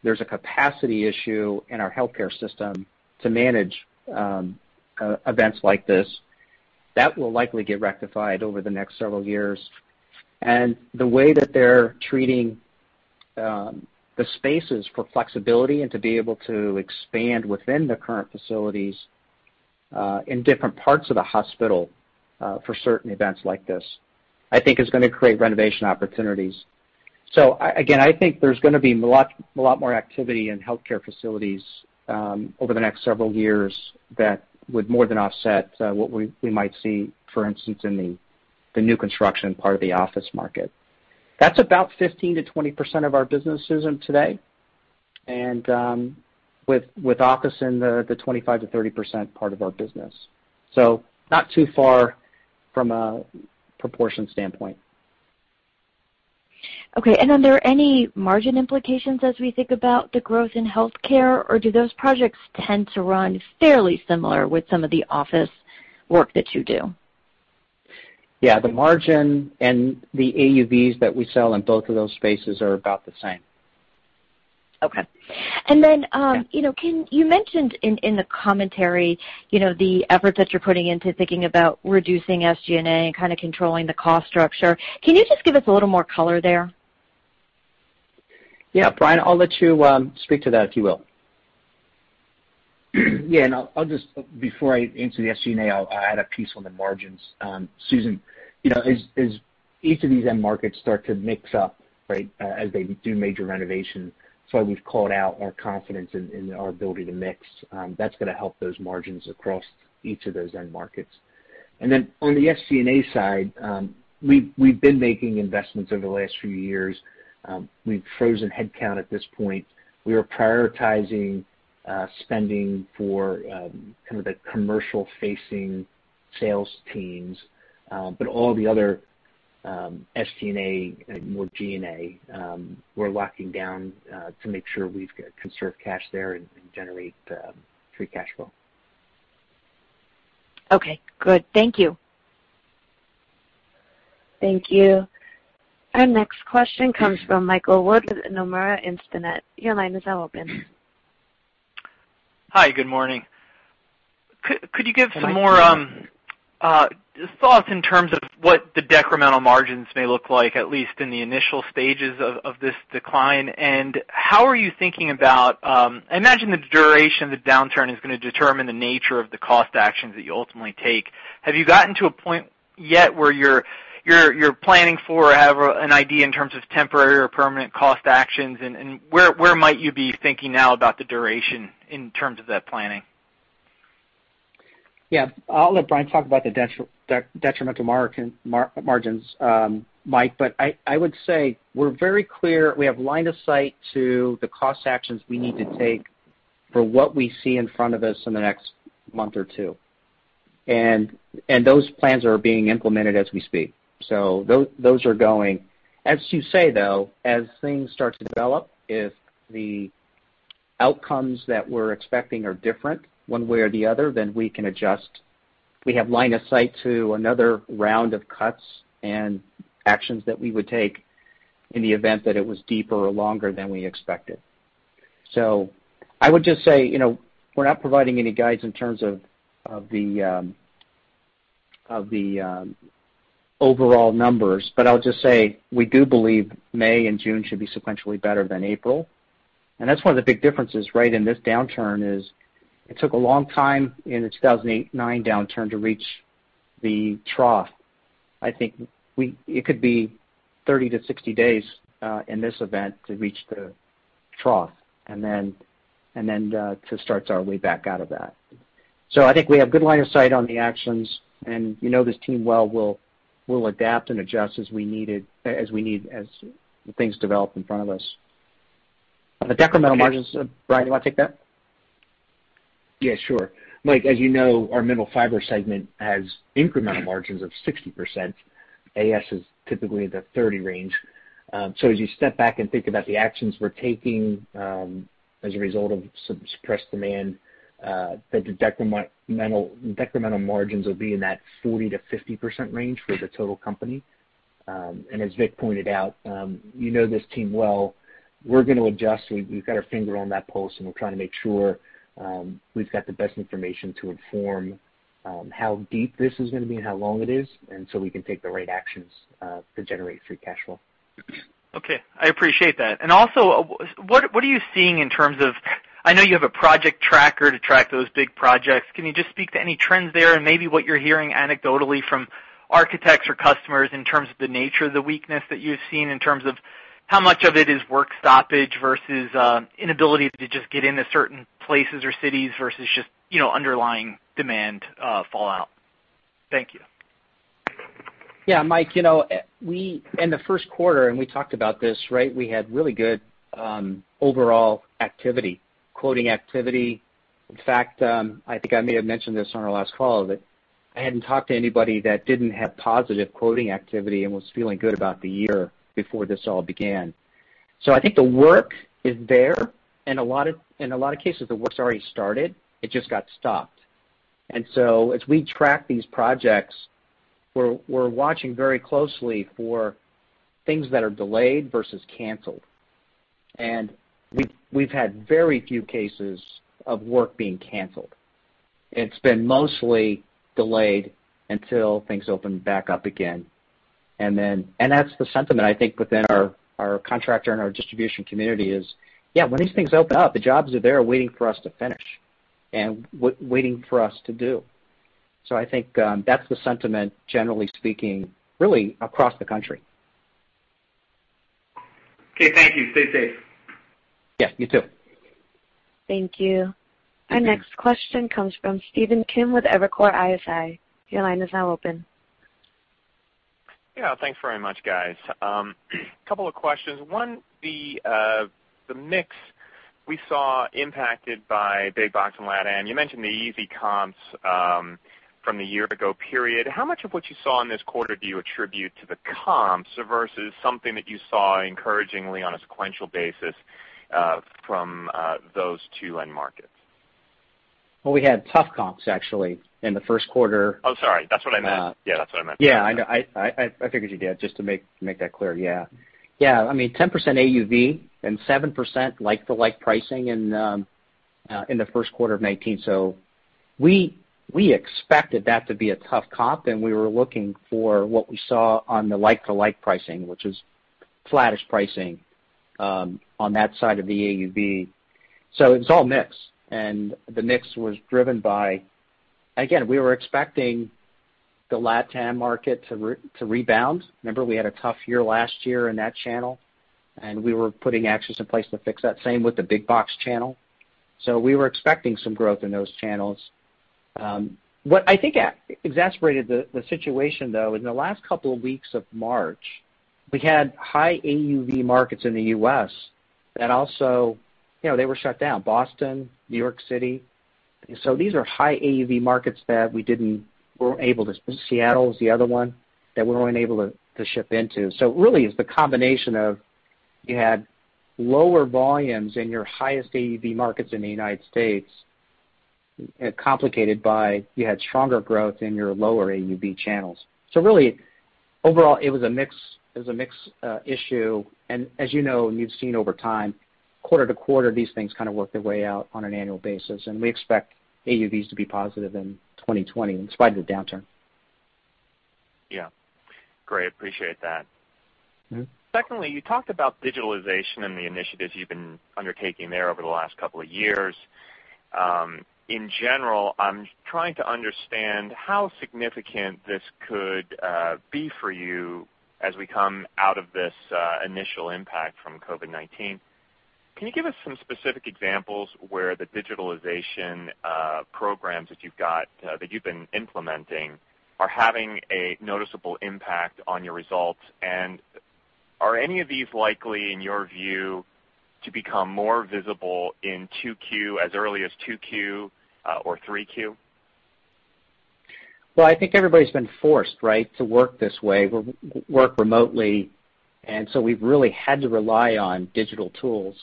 there's a capacity issue in our healthcare system to manage events like this. That will likely get rectified over the next several years. The way that they're treating the spaces for flexibility and to be able to expand within the current facilities, in different parts of the hospital for certain events like this, I think is going to create renovation opportunities. Again, I think there's going to be a lot more activity in healthcare facilities over the next several years that would more than offset what we might see, for instance, in the new construction part of the office market. That's about 15%-20% of our business, Susan, today, and with office in the 25%-30% part of our business. Not too far from a proportion standpoint. Okay. Are there any margin implications as we think about the growth in healthcare, or do those projects tend to run fairly similar with some of the office work that you do? Yeah, the margin and the AUVs that we sell in both of those spaces are about the same. Okay. Yeah. You mentioned in the commentary, the effort that you're putting into thinking about reducing SG&A and kind of controlling the cost structure. Can you just give us a little more color there? Yeah. Brian, I'll let you speak to that, if you will. Before I answer the SG&A, I'll add a piece on the margins. Susan, as each of these end markets start to mix up, right, as they do major renovations. That's why we've called out our confidence in our ability to mix. That's going to help those margins across each of those end markets. On the SG&A side, we've been making investments over the last few years. We've frozen headcount at this point. We are prioritizing spending for kind of the commercial-facing sales teams. All the other SG&A, more G&A, we're locking down to make sure we conserve cash there and generate free cash flow. Okay, good. Thank you. Thank you. Our next question comes from Michael Wood with Nomura Instinet. Your line is now open. Hi. Good morning. Could you give some more thoughts in terms of what the decremental margins may look like, at least in the initial stages of this decline? How are you thinking about I imagine the duration of the downturn is going to determine the nature of the cost actions that you ultimately take? Have you gotten to a point yet where you're planning for or have an idea in terms of temporary or permanent cost actions, and where might you be thinking now about the duration in terms of that planning? Yeah. I'll let Brian talk about the detrimental margins, Mike. I would say we're very clear. We have line of sight to the cost actions we need to take for what we see in front of us in the next month or two. Those plans are being implemented as we speak. Those are going. As you say, though, as things start to develop, if the outcomes that we're expecting are different one way or the other, we can adjust. We have line of sight to another round of cuts and actions that we would take in the event that it was deeper or longer than we expected. I would just say, we're not providing any guides in terms of the overall numbers. I'll just say, we do believe May and June should be sequentially better than April. That's one of the big differences, right, in this downturn is it took a long time in the 2008 and 2009 downturn to reach the trough. I think it could be 30 to 60 days, in this event, to reach the trough, and then to start our way back out of that. I think we have good line of sight on the actions, and you know this team well. We'll adapt and adjust as we need, as things develop in front of us. On the decremental margins, Brian, do you want to take that? Yeah, sure. Mike, as you know, our Mineral Fiber segment has incremental margins of 60%. AS is typically in the 30 range. As you step back and think about the actions we're taking as a result of suppressed demand, the decremental margins will be in that 40%-50% range for the total company. As Vic pointed out, you know this team well. We're going to adjust. We've got our finger on that pulse, and we're trying to make sure we've got the best information to inform how deep this is going to be and how long it is, and so we can take the right actions to generate free cash flow. Okay. I appreciate that. Also, what are you seeing in terms of, I know you have a project tracker to track those big projects. Can you just speak to any trends there and maybe what you're hearing anecdotally from architects or customers in terms of the nature of the weakness that you've seen, in terms of how much of it is work stoppage versus inability to just get into certain places or cities versus just underlying demand fallout? Thank you. Yeah. Mike, in the first quarter, we talked about this, right, we had really good overall activity, quoting activity. In fact, I think I may have mentioned this on our last call, that I hadn't talked to anybody that didn't have positive quoting activity and was feeling good about the year before this all began. I think the work is there, and in a lot of cases, the work's already started. It just got stopped. As we track these projects, we're watching very closely for things that are delayed versus canceled. We've had very few cases of work being canceled. It's been mostly delayed until things open back up again. That's the sentiment, I think, within our contractor and our distribution community is, yeah, when these things open up, the jobs are there waiting for us to finish and waiting for us to do. I think that's the sentiment, generally speaking, really across the country. Okay, thank you. Stay safe. Yeah, you too. Thank you. Our next question comes from Stephen Kim with Evercore ISI. Your line is now open. Yeah. Thanks very much, guys. Couple of questions. One, the mix we saw impacted by big-box and LatAm. You mentioned the easy comps from the year ago period. How much of what you saw in this quarter do you attribute to the comps versus something that you saw encouragingly on a sequential basis from those two end markets? Well, we had tough comps, actually, in the first quarter. Oh, sorry. That's what I meant. Yeah, that's what I meant. Yeah, I know. I figured you did, just to make that clear. Yeah. I mean, 10% AUV and 7% like-for-like pricing in the first quarter of 2019. We expected that to be a tough comp, and we were looking for what we saw on the like-to-like pricing, which was flattish pricing on that side of the AUV. It was all mix, and the mix was driven by. Again, we were expecting the LatAm market to rebound. Remember, we had a tough year last year in that channel, and we were putting actions in place to fix that. Same with the big box channel. We were expecting some growth in those channels. What I think exacerbated the situation, though, in the last couple of weeks of March, we had high AUV markets in the U.S. that also were shut down. Boston, New York City. These are high AUV markets that we weren't able to ship into. Seattle was the other one that we weren't able to ship into. It really is the combination of you had lower volumes in your highest AUV markets in the United States, complicated by you had stronger growth in your lower AUV channels. Overall, it was a mix issue. As you know, and you've seen over time, quarter-to-quarter, these things kind of work their way out on an annual basis, and we expect AUVs to be positive in 2020 in spite of the downturn. Yeah. Great. Appreciate that. You talked about digitalization and the initiatives you've been undertaking there over the last couple of years. In general, I'm trying to understand how significant this could be for you as we come out of this initial impact from COVID-19. Can you give us some specific examples where the digitalization programs that you've been implementing are having a noticeable impact on your results? Are any of these likely, in your view, to become more visible as early as 2Q or 3Q? I think everybody's been forced, right, to work this way, work remotely. We've really had to rely on digital tools.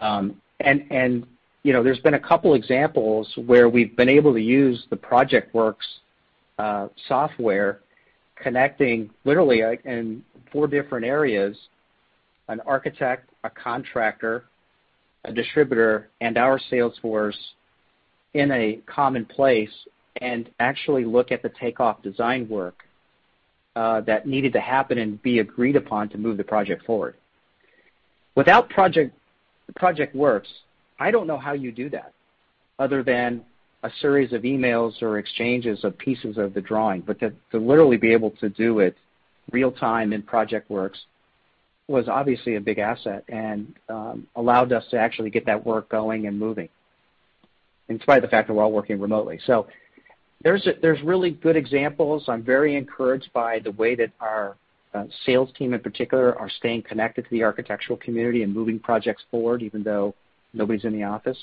There's been a couple examples where we've been able to use the PROJECTWORKS software connecting literally, in four different areas, an architect, a contractor, a distributor, and our sales force in a common place and actually look at the takeoff design work that needed to happen and be agreed upon to move the project forward. Without PROJECTWORKS, I don't know how you do that other than a series of emails or exchanges of pieces of the drawing. To literally be able to do it real time in PROJECTWORKS was obviously a big asset and allowed us to actually get that work going and moving in spite of the fact that we're all working remotely. There's really good examples. I'm very encouraged by the way that our sales team, in particular, are staying connected to the architectural community and moving projects forward, even though nobody's in the office.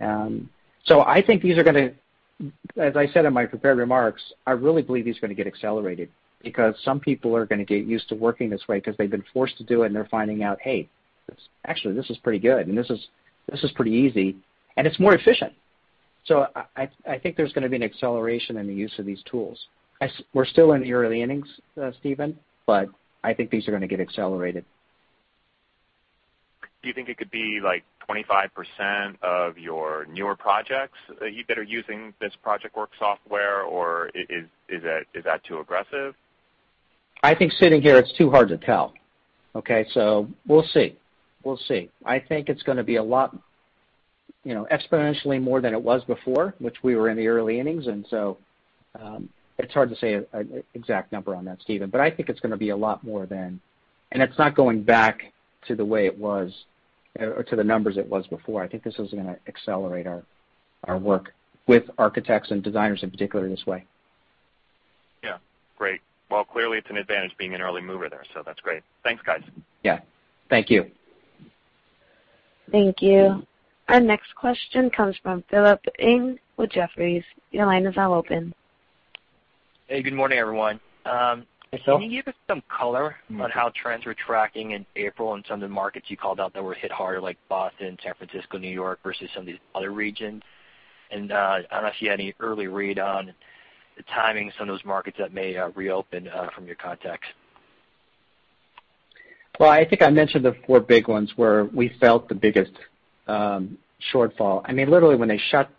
I think these are going to, as I said in my prepared remarks, I really believe these are going to get accelerated because some people are going to get used to working this way because they've been forced to do it, and they're finding out, "Hey, actually, this is pretty good, and this is pretty easy," and it's more efficient. I think there's going to be an acceleration in the use of these tools. We're still in the early innings, Stephen, but I think these are going to get accelerated. Do you think it could be 25% of your newer projects that are using this PROJECTWORKS software, or is that too aggressive? I think sitting here, it's too hard to tell. Okay. We'll see. I think it's going to be exponentially more than it was before, which we were in the early innings. It's hard to say an exact number on that, Stephen. I think it's going to be a lot more than, and it's not going back to the way it was or to the numbers it was before. I think this is going to accelerate our work with architects and designers, in particular, this way. Yeah. Great. Clearly it's an advantage being an early mover there. That's great. Thanks, guys. Yeah. Thank you. Thank you. Our next question comes from Philip Ng with Jefferies. Your line is now open. Hey, good morning, everyone. Hey, Phil. Can you give us some color on how trends were tracking in April in some of the markets you called out that were hit harder, like Boston, San Francisco, New York, versus some of these other regions? I don't know if you had any early read on the timing of some of those markets that may reopen from your contacts. Well, I think I mentioned the four big ones where we felt the biggest shortfall. Literally, when they shut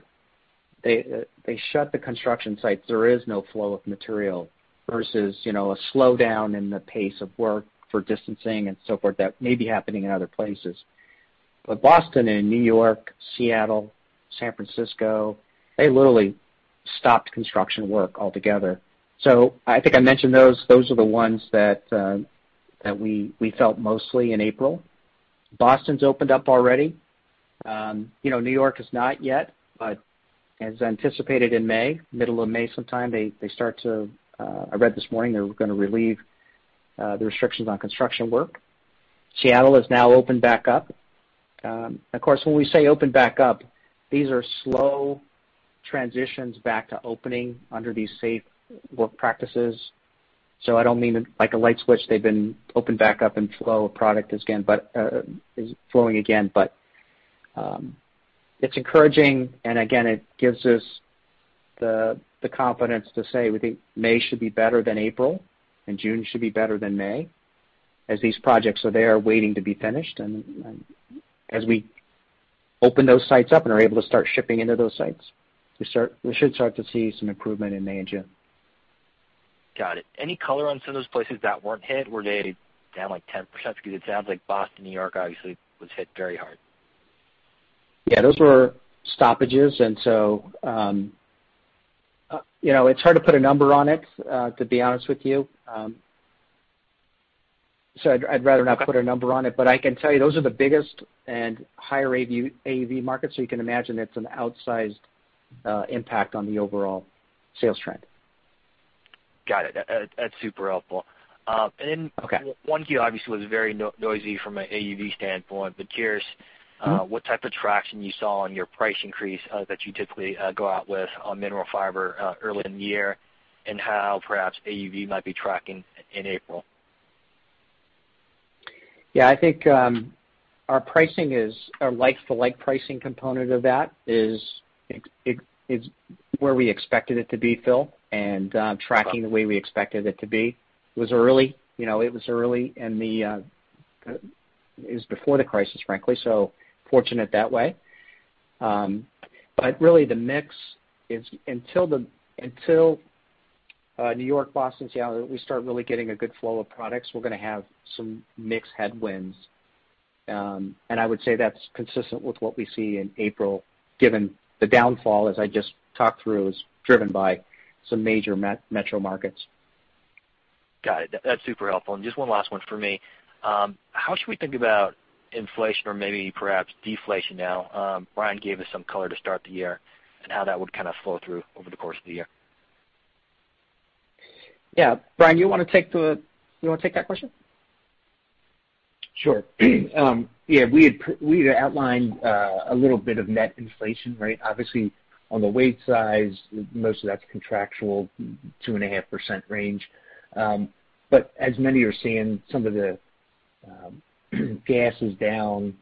the construction sites, there is no flow of material versus a slowdown in the pace of work for distancing and so forth that may be happening in other places. Boston and New York, Seattle, San Francisco, they literally stopped construction work altogether. I think I mentioned those. Those are the ones that we felt mostly in April. Boston's opened up already. New York has not yet, but as anticipated in May, middle of May sometime, I read this morning they're going to relieve the restrictions on construction work. Seattle is now opened back up. Of course, when we say opened back up, these are slow transitions back to opening under these safe work practices. I don't mean like a light switch, they've been opened back up and flow of product is flowing again. It's encouraging, and again, it gives us the confidence to say we think May should be better than April, and June should be better than May, as these projects are there waiting to be finished. As we open those sites up and are able to start shipping into those sites, we should start to see some improvement in May and June. Got it. Any color on some of those places that weren't hit? Were they down 10%? Because it sounds like Boston, New York, obviously was hit very hard. Yeah. Those were stoppages, and so it's hard to put a number on it, to be honest with you. I'd rather not put a number on it. I can tell you those are the biggest and higher AUV markets, so you can imagine it's an outsized impact on the overall sales trend. Got it. That's super helpful. Okay. Then 1Q obviously was very noisy from an AUV standpoint, but curious what type of traction you saw on your price increase that you typically go out with on Mineral Fiber early in the year and how perhaps AUV might be tracking in April? I think our like-to-like pricing component of that is where we expected it to be, Phil, and tracking the way we expected it to be. It was early, and it was before the crisis, frankly, so fortunate that way. Really the mix is, until New York, Boston, Seattle, we start really getting a good flow of products, we're going to have some mix headwinds. I would say that's consistent with what we see in April, given the downfall, as I just talked through, is driven by some major metro markets. Got it. That's super helpful. Just one last one from me. How should we think about inflation or maybe perhaps deflation now? Brian gave us some color to start the year and how that would kind of flow through over the course of the year. Yeah. Brian, you want to take that question? Sure. Yeah, we had outlined a little bit of net inflation, right? Obviously on the wage side, most of that's contractual, 2.5% range. As many are seeing, some of the gas is down,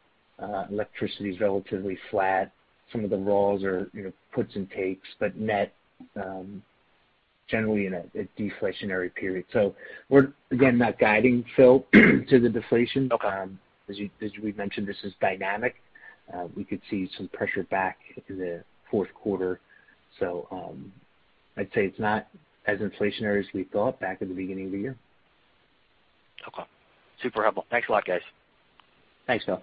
electricity's relatively flat. Some of the raws are puts and takes, net, generally in a deflationary period. We're, again, not guiding, Phil, to the deflation. Okay. As we've mentioned, this is dynamic. We could see some pressure back in the fourth quarter. I'd say it's not as inflationary as we thought back in the beginning of the year. Okay. Super helpful. Thanks a lot, guys. Thanks, Phil.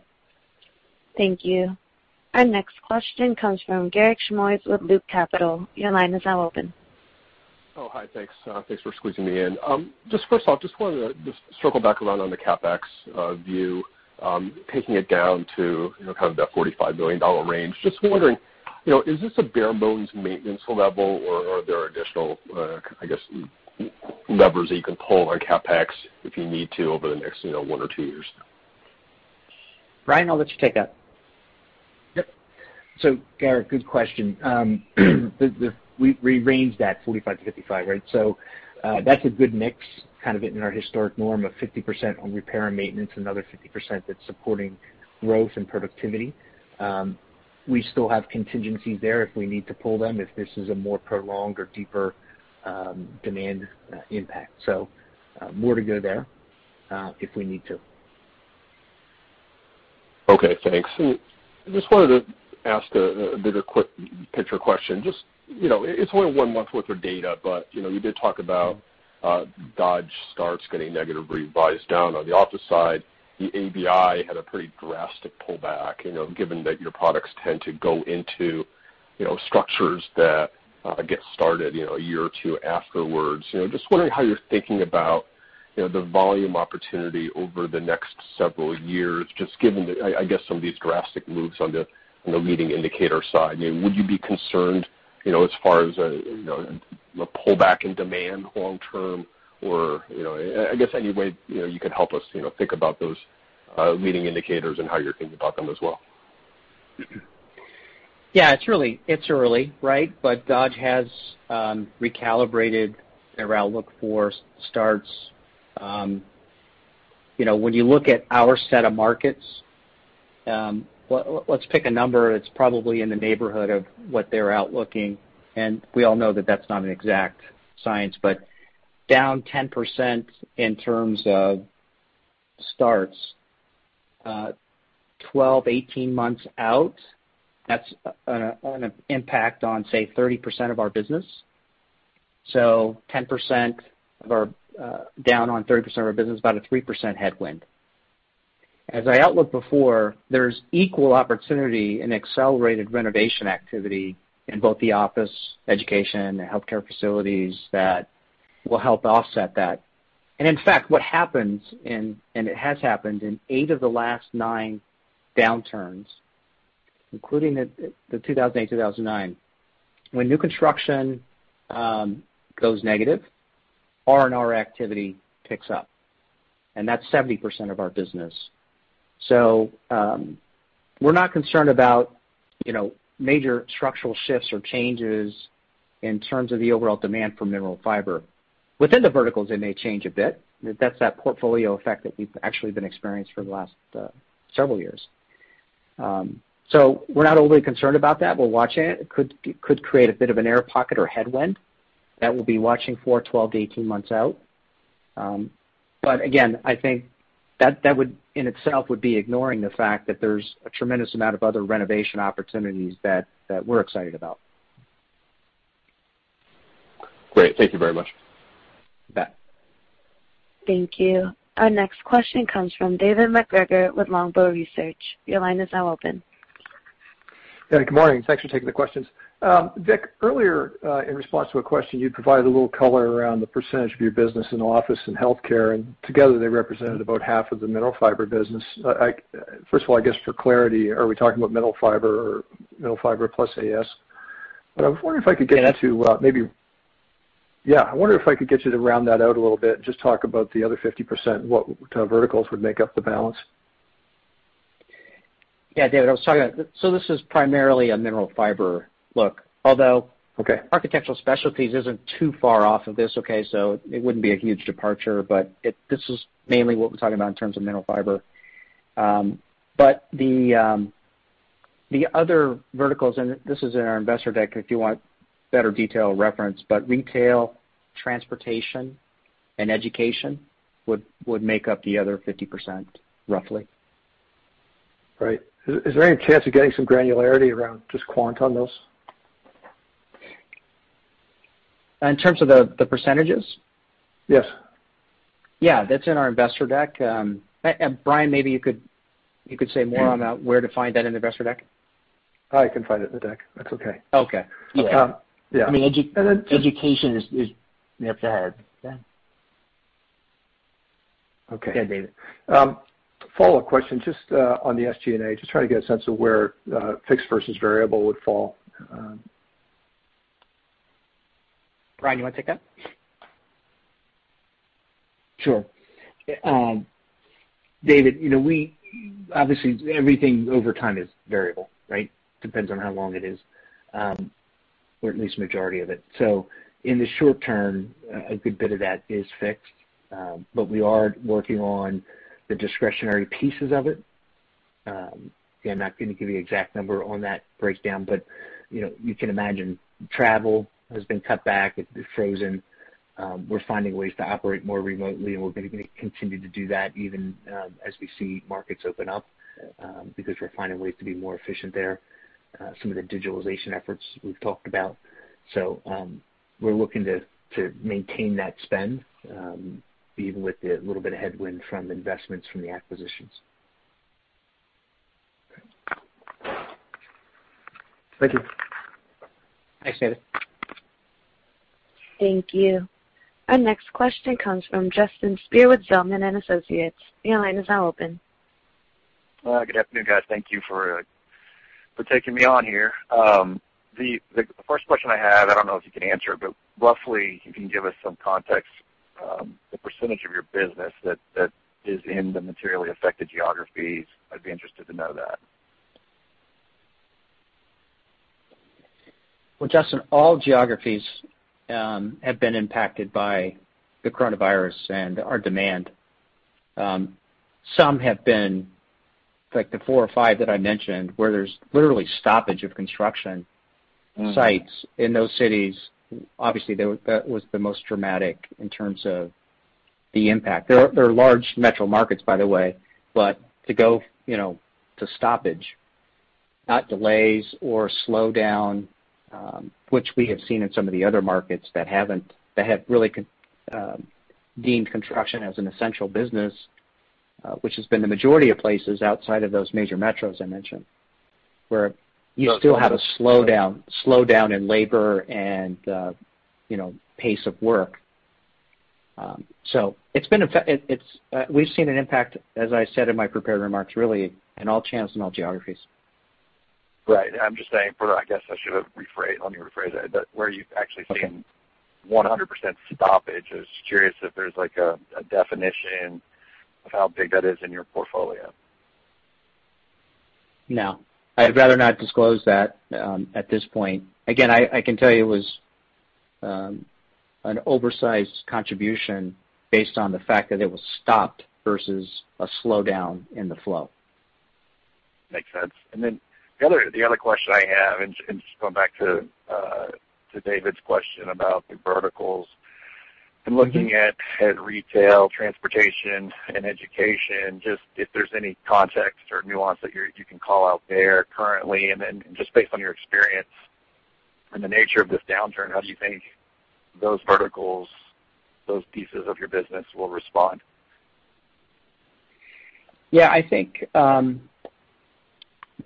Thank you. Our next question comes from Garik Shmois with Loop Capital. Your line is now open. Oh, hi. Thanks. Thanks for squeezing me in. First off, wanted to circle back around on the CapEx view, taking it down to that $45 million range. Just wondering, is this a bare bones maintenance level or are there additional, I guess, levers that you can pull on CapEx if you need to over the next one or two years? Brian, I'll let you take that. Yep. Garik, good question. We range that $45 million-$55 million, right? That's a good mix, kind of in our historic norm of 50% on repair and maintenance, another 50% that's supporting growth and productivity. We still have contingencies there if we need to pull them if this is a more prolonged or deeper demand impact. More to go there if we need to. Okay, thanks. I just wanted to ask a bit of quick picture question. It's only one month worth of data, but you did talk about Dodge starts getting negative revised down on the office side. The ABI had a pretty drastic pullback, given that your products tend to go into structures that get started a year or two afterwards. Wondering how you're thinking about the volume opportunity over the next several years, just given, I guess, some of these drastic moves on the leading indicator side. Would you be concerned as far as a pullback in demand long term, or I guess any way you could help us think about those leading indicators and how you're thinking about them as well? Yeah, it's early, right? Dodge has recalibrated their outlook for starts. When you look at our set of markets, let's pick a number that's probably in the neighborhood of what they're outlooking, and we all know that that's not an exact science. Down 10% in terms of starts, 12-18 months out, that's an impact on, say, 30% of our business. 10% down on 30% of our business, about a 3% headwind. As I outlined before, there's equal opportunity in accelerated renovation activity in both the office, education, and healthcare facilities that will help offset that. In fact, what happens, and it has happened in eight of the last nine downturns, including the 2008, 2009, when new construction goes negative, R&R activity picks up, and that's 70% of our business. We're not concerned about major structural shifts or changes in terms of the overall demand for Mineral Fiber. Within the verticals, it may change a bit. That's that portfolio effect that we've actually been experiencing for the last several years. We're not overly concerned about that. We're watching it. It could create a bit of an air pocket or headwind that we'll be watching for 12 to 18 months out. Again, I think that would in itself would be ignoring the fact that there's a tremendous amount of other renovation opportunities that we're excited about. Great. Thank you very much. You bet. Thank you. Our next question comes from David MacGregor with Longbow Research. Your line is now open. Yeah, good morning. Thanks for taking the questions. Vic, earlier, in response to a question, you provided a little color around the percentage of your business in office and healthcare, and together they represented about half of the Mineral Fiber business. First of all, I guess for clarity, are we talking about Mineral Fiber or Mineral Fiber plus AS? I was wondering if I could get you to maybe- Yeah. I wonder if I could get you to round that out a little bit and just talk about the other 50%, what verticals would make up the balance? Yeah, David, I was talking about, so this is primarily a Mineral Fiber look. Although- Okay Architectural Specialties isn't too far off of this, okay. It wouldn't be a huge departure. This is mainly what we're talking about in terms of Mineral Fiber. The other verticals, and this is in our investor deck if you want better detail reference, retail, transportation, and education would make up the other 50%, roughly. Right. Is there any chance of getting some granularity around just quant on those? In terms of the percentages? Yes. Yeah. That's in our investor deck. Brian, maybe you could say more on where to find that in the investor deck. I can find it in the deck. That's okay. Okay. Yeah. I mean, education is up ahead. Yeah. Okay. Yeah, David. Follow-up question, just on the SG&A, just trying to get a sense of where fixed versus variable would fall? Brian, you want to take that? Sure. David, obviously everything over time is variable, right? Depends on how long it is, at least majority of it. In the short term, a good bit of that is fixed. We are working on the discretionary pieces of it. Again, not going to give you exact number on that breakdown, but you can imagine travel has been cut back. It's frozen. We're finding ways to operate more remotely, and we're going to continue to do that even as we see markets open up, because we're finding ways to be more efficient there, some of the digitalization efforts we've talked about. We're looking to maintain that spend, even with the little bit of headwind from investments from the acquisitions. Thank you. Thanks, David. Thank you. Our next question comes from Justin Speer with Zelman & Associates. Your line is now open. Good afternoon, guys. Thank you for taking me on here. The first question I have, I don't know if you can answer, but roughly you can give us some context, the percentage of your business that is in the materially affected geographies. I'd be interested to know that. Well, Justin, all geographies have been impacted by the coronavirus and our demand. Some have been, like the four or five that I mentioned, where there's literally stoppage of construction sites in those cities. Obviously, that was the most dramatic in terms of the impact. They're large metro markets, by the way. To go to stoppage, not delays or slowdown, which we have seen in some of the other markets that have really deemed construction as an essential business, which has been the majority of places outside of those major metros I mentioned, where you still have a slowdown in labor and pace of work. We've seen an impact, as I said in my prepared remarks, really in all channels, in all geographies. Right. I'm just saying for, I guess I should have rephrased. Let me rephrase that. Where you've actually seen 100% stoppage. I was curious if there's a definition of how big that is in your portfolio. No, I'd rather not disclose that at this point. I can tell you it was an oversized contribution based on the fact that it was stopped versus a slowdown in the flow. Makes sense. The other question I have, and just going back to David's question about the verticals, in looking at retail, transportation, and education, just if there's any context or nuance that you can call out there currently, and then just based on your experience and the nature of this downturn, how do you think those verticals, those pieces of your business will respond? I think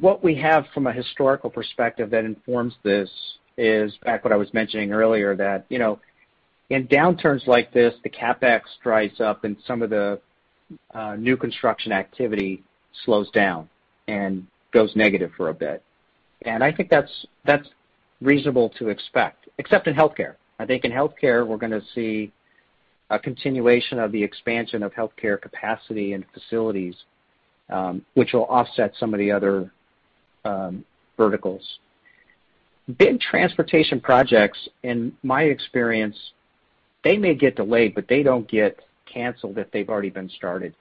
what we have from a historical perspective that informs this is back what I was mentioning earlier, that in downturns like this, the CapEx dries up and some of the new construction activity slows down and goes negative for a bit. I think that's reasonable to expect. Except in healthcare. I think in healthcare, we're going to see a continuation of the expansion of healthcare capacity and facilities, which will offset some of the other verticals. Big transportation projects, in my experience, they may get delayed, but they don't get canceled if they've already been started.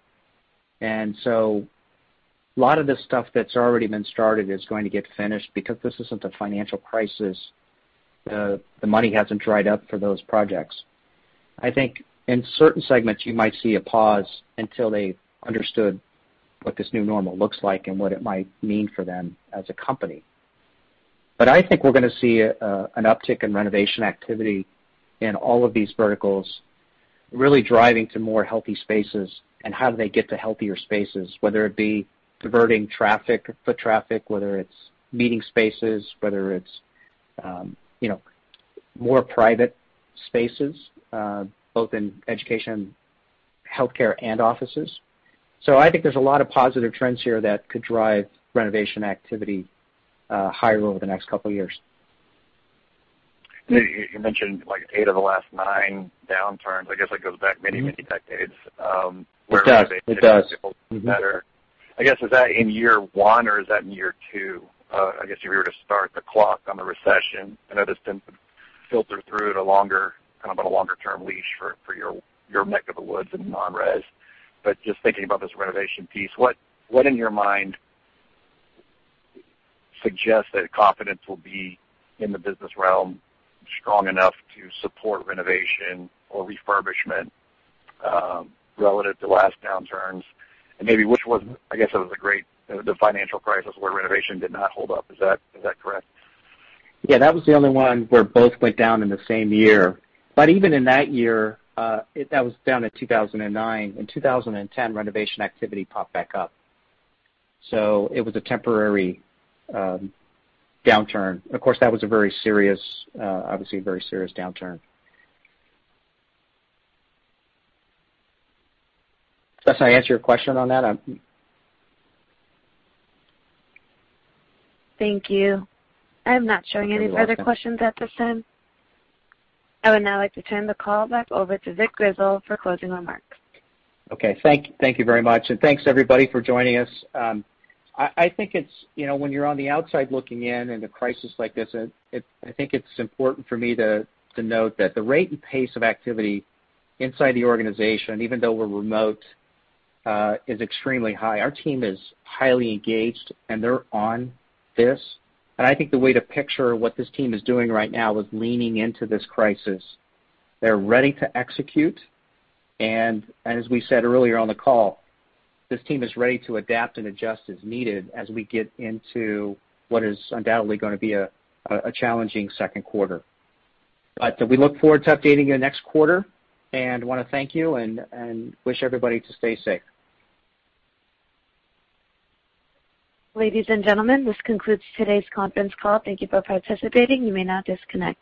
A lot of the stuff that's already been started is going to get finished because this isn't a financial crisis. The money hasn't dried up for those projects. I think in certain segments, you might see a pause until they've understood what this new normal looks like and what it might mean for them as a company. I think we're going to see an uptick in renovation activity in all of these verticals, really driving to more healthy spaces and how do they get to healthier spaces, whether it be diverting traffic, foot traffic, whether it's meeting spaces, whether it's more private spaces, both in education, healthcare, and offices. I think there's a lot of positive trends here that could drive renovation activity higher over the next couple of years. You mentioned eight of the last nine downturns. I guess that goes back many decades. It does. Where [I guess it was] better. I guess, is that in year one or is that in year two? I guess if you were to start the clock on the recession, I know that's been filtered through on a longer-term leash for your neck of the woods in non-res. Just thinking about this renovation piece, what in your mind suggests that confidence will be in the business realm strong enough to support renovation or refurbishment relative to last downturns? I guess it was the financial crisis where renovation did not hold up. Is that correct? Yeah. That was the only one where both went down in the same year. Even in that year, that was down to 2009. In 2010, renovation activity popped back up. It was a temporary downturn. Of course, that was obviously a very serious downturn. Does that answer your question on that? Thank you. I am not showing any other questions at this time. I would now like to turn the call back over to Vic Grizzle for closing remarks. Okay. Thank you very much. Thanks everybody for joining us. I think when you're on the outside looking in in a crisis like this, I think it's important for me to note that the rate and pace of activity inside the organization, even though we're remote, is extremely high. Our team is highly engaged, and they're on this. I think the way to picture what this team is doing right now is leaning into this crisis. They're ready to execute, and as we said earlier on the call, this team is ready to adapt and adjust as needed as we get into what is undoubtedly going to be a challenging second quarter. We look forward to updating you next quarter, and want to thank you and wish everybody to stay safe. Ladies and gentlemen, this concludes today's conference call. Thank you for participating. You may now disconnect.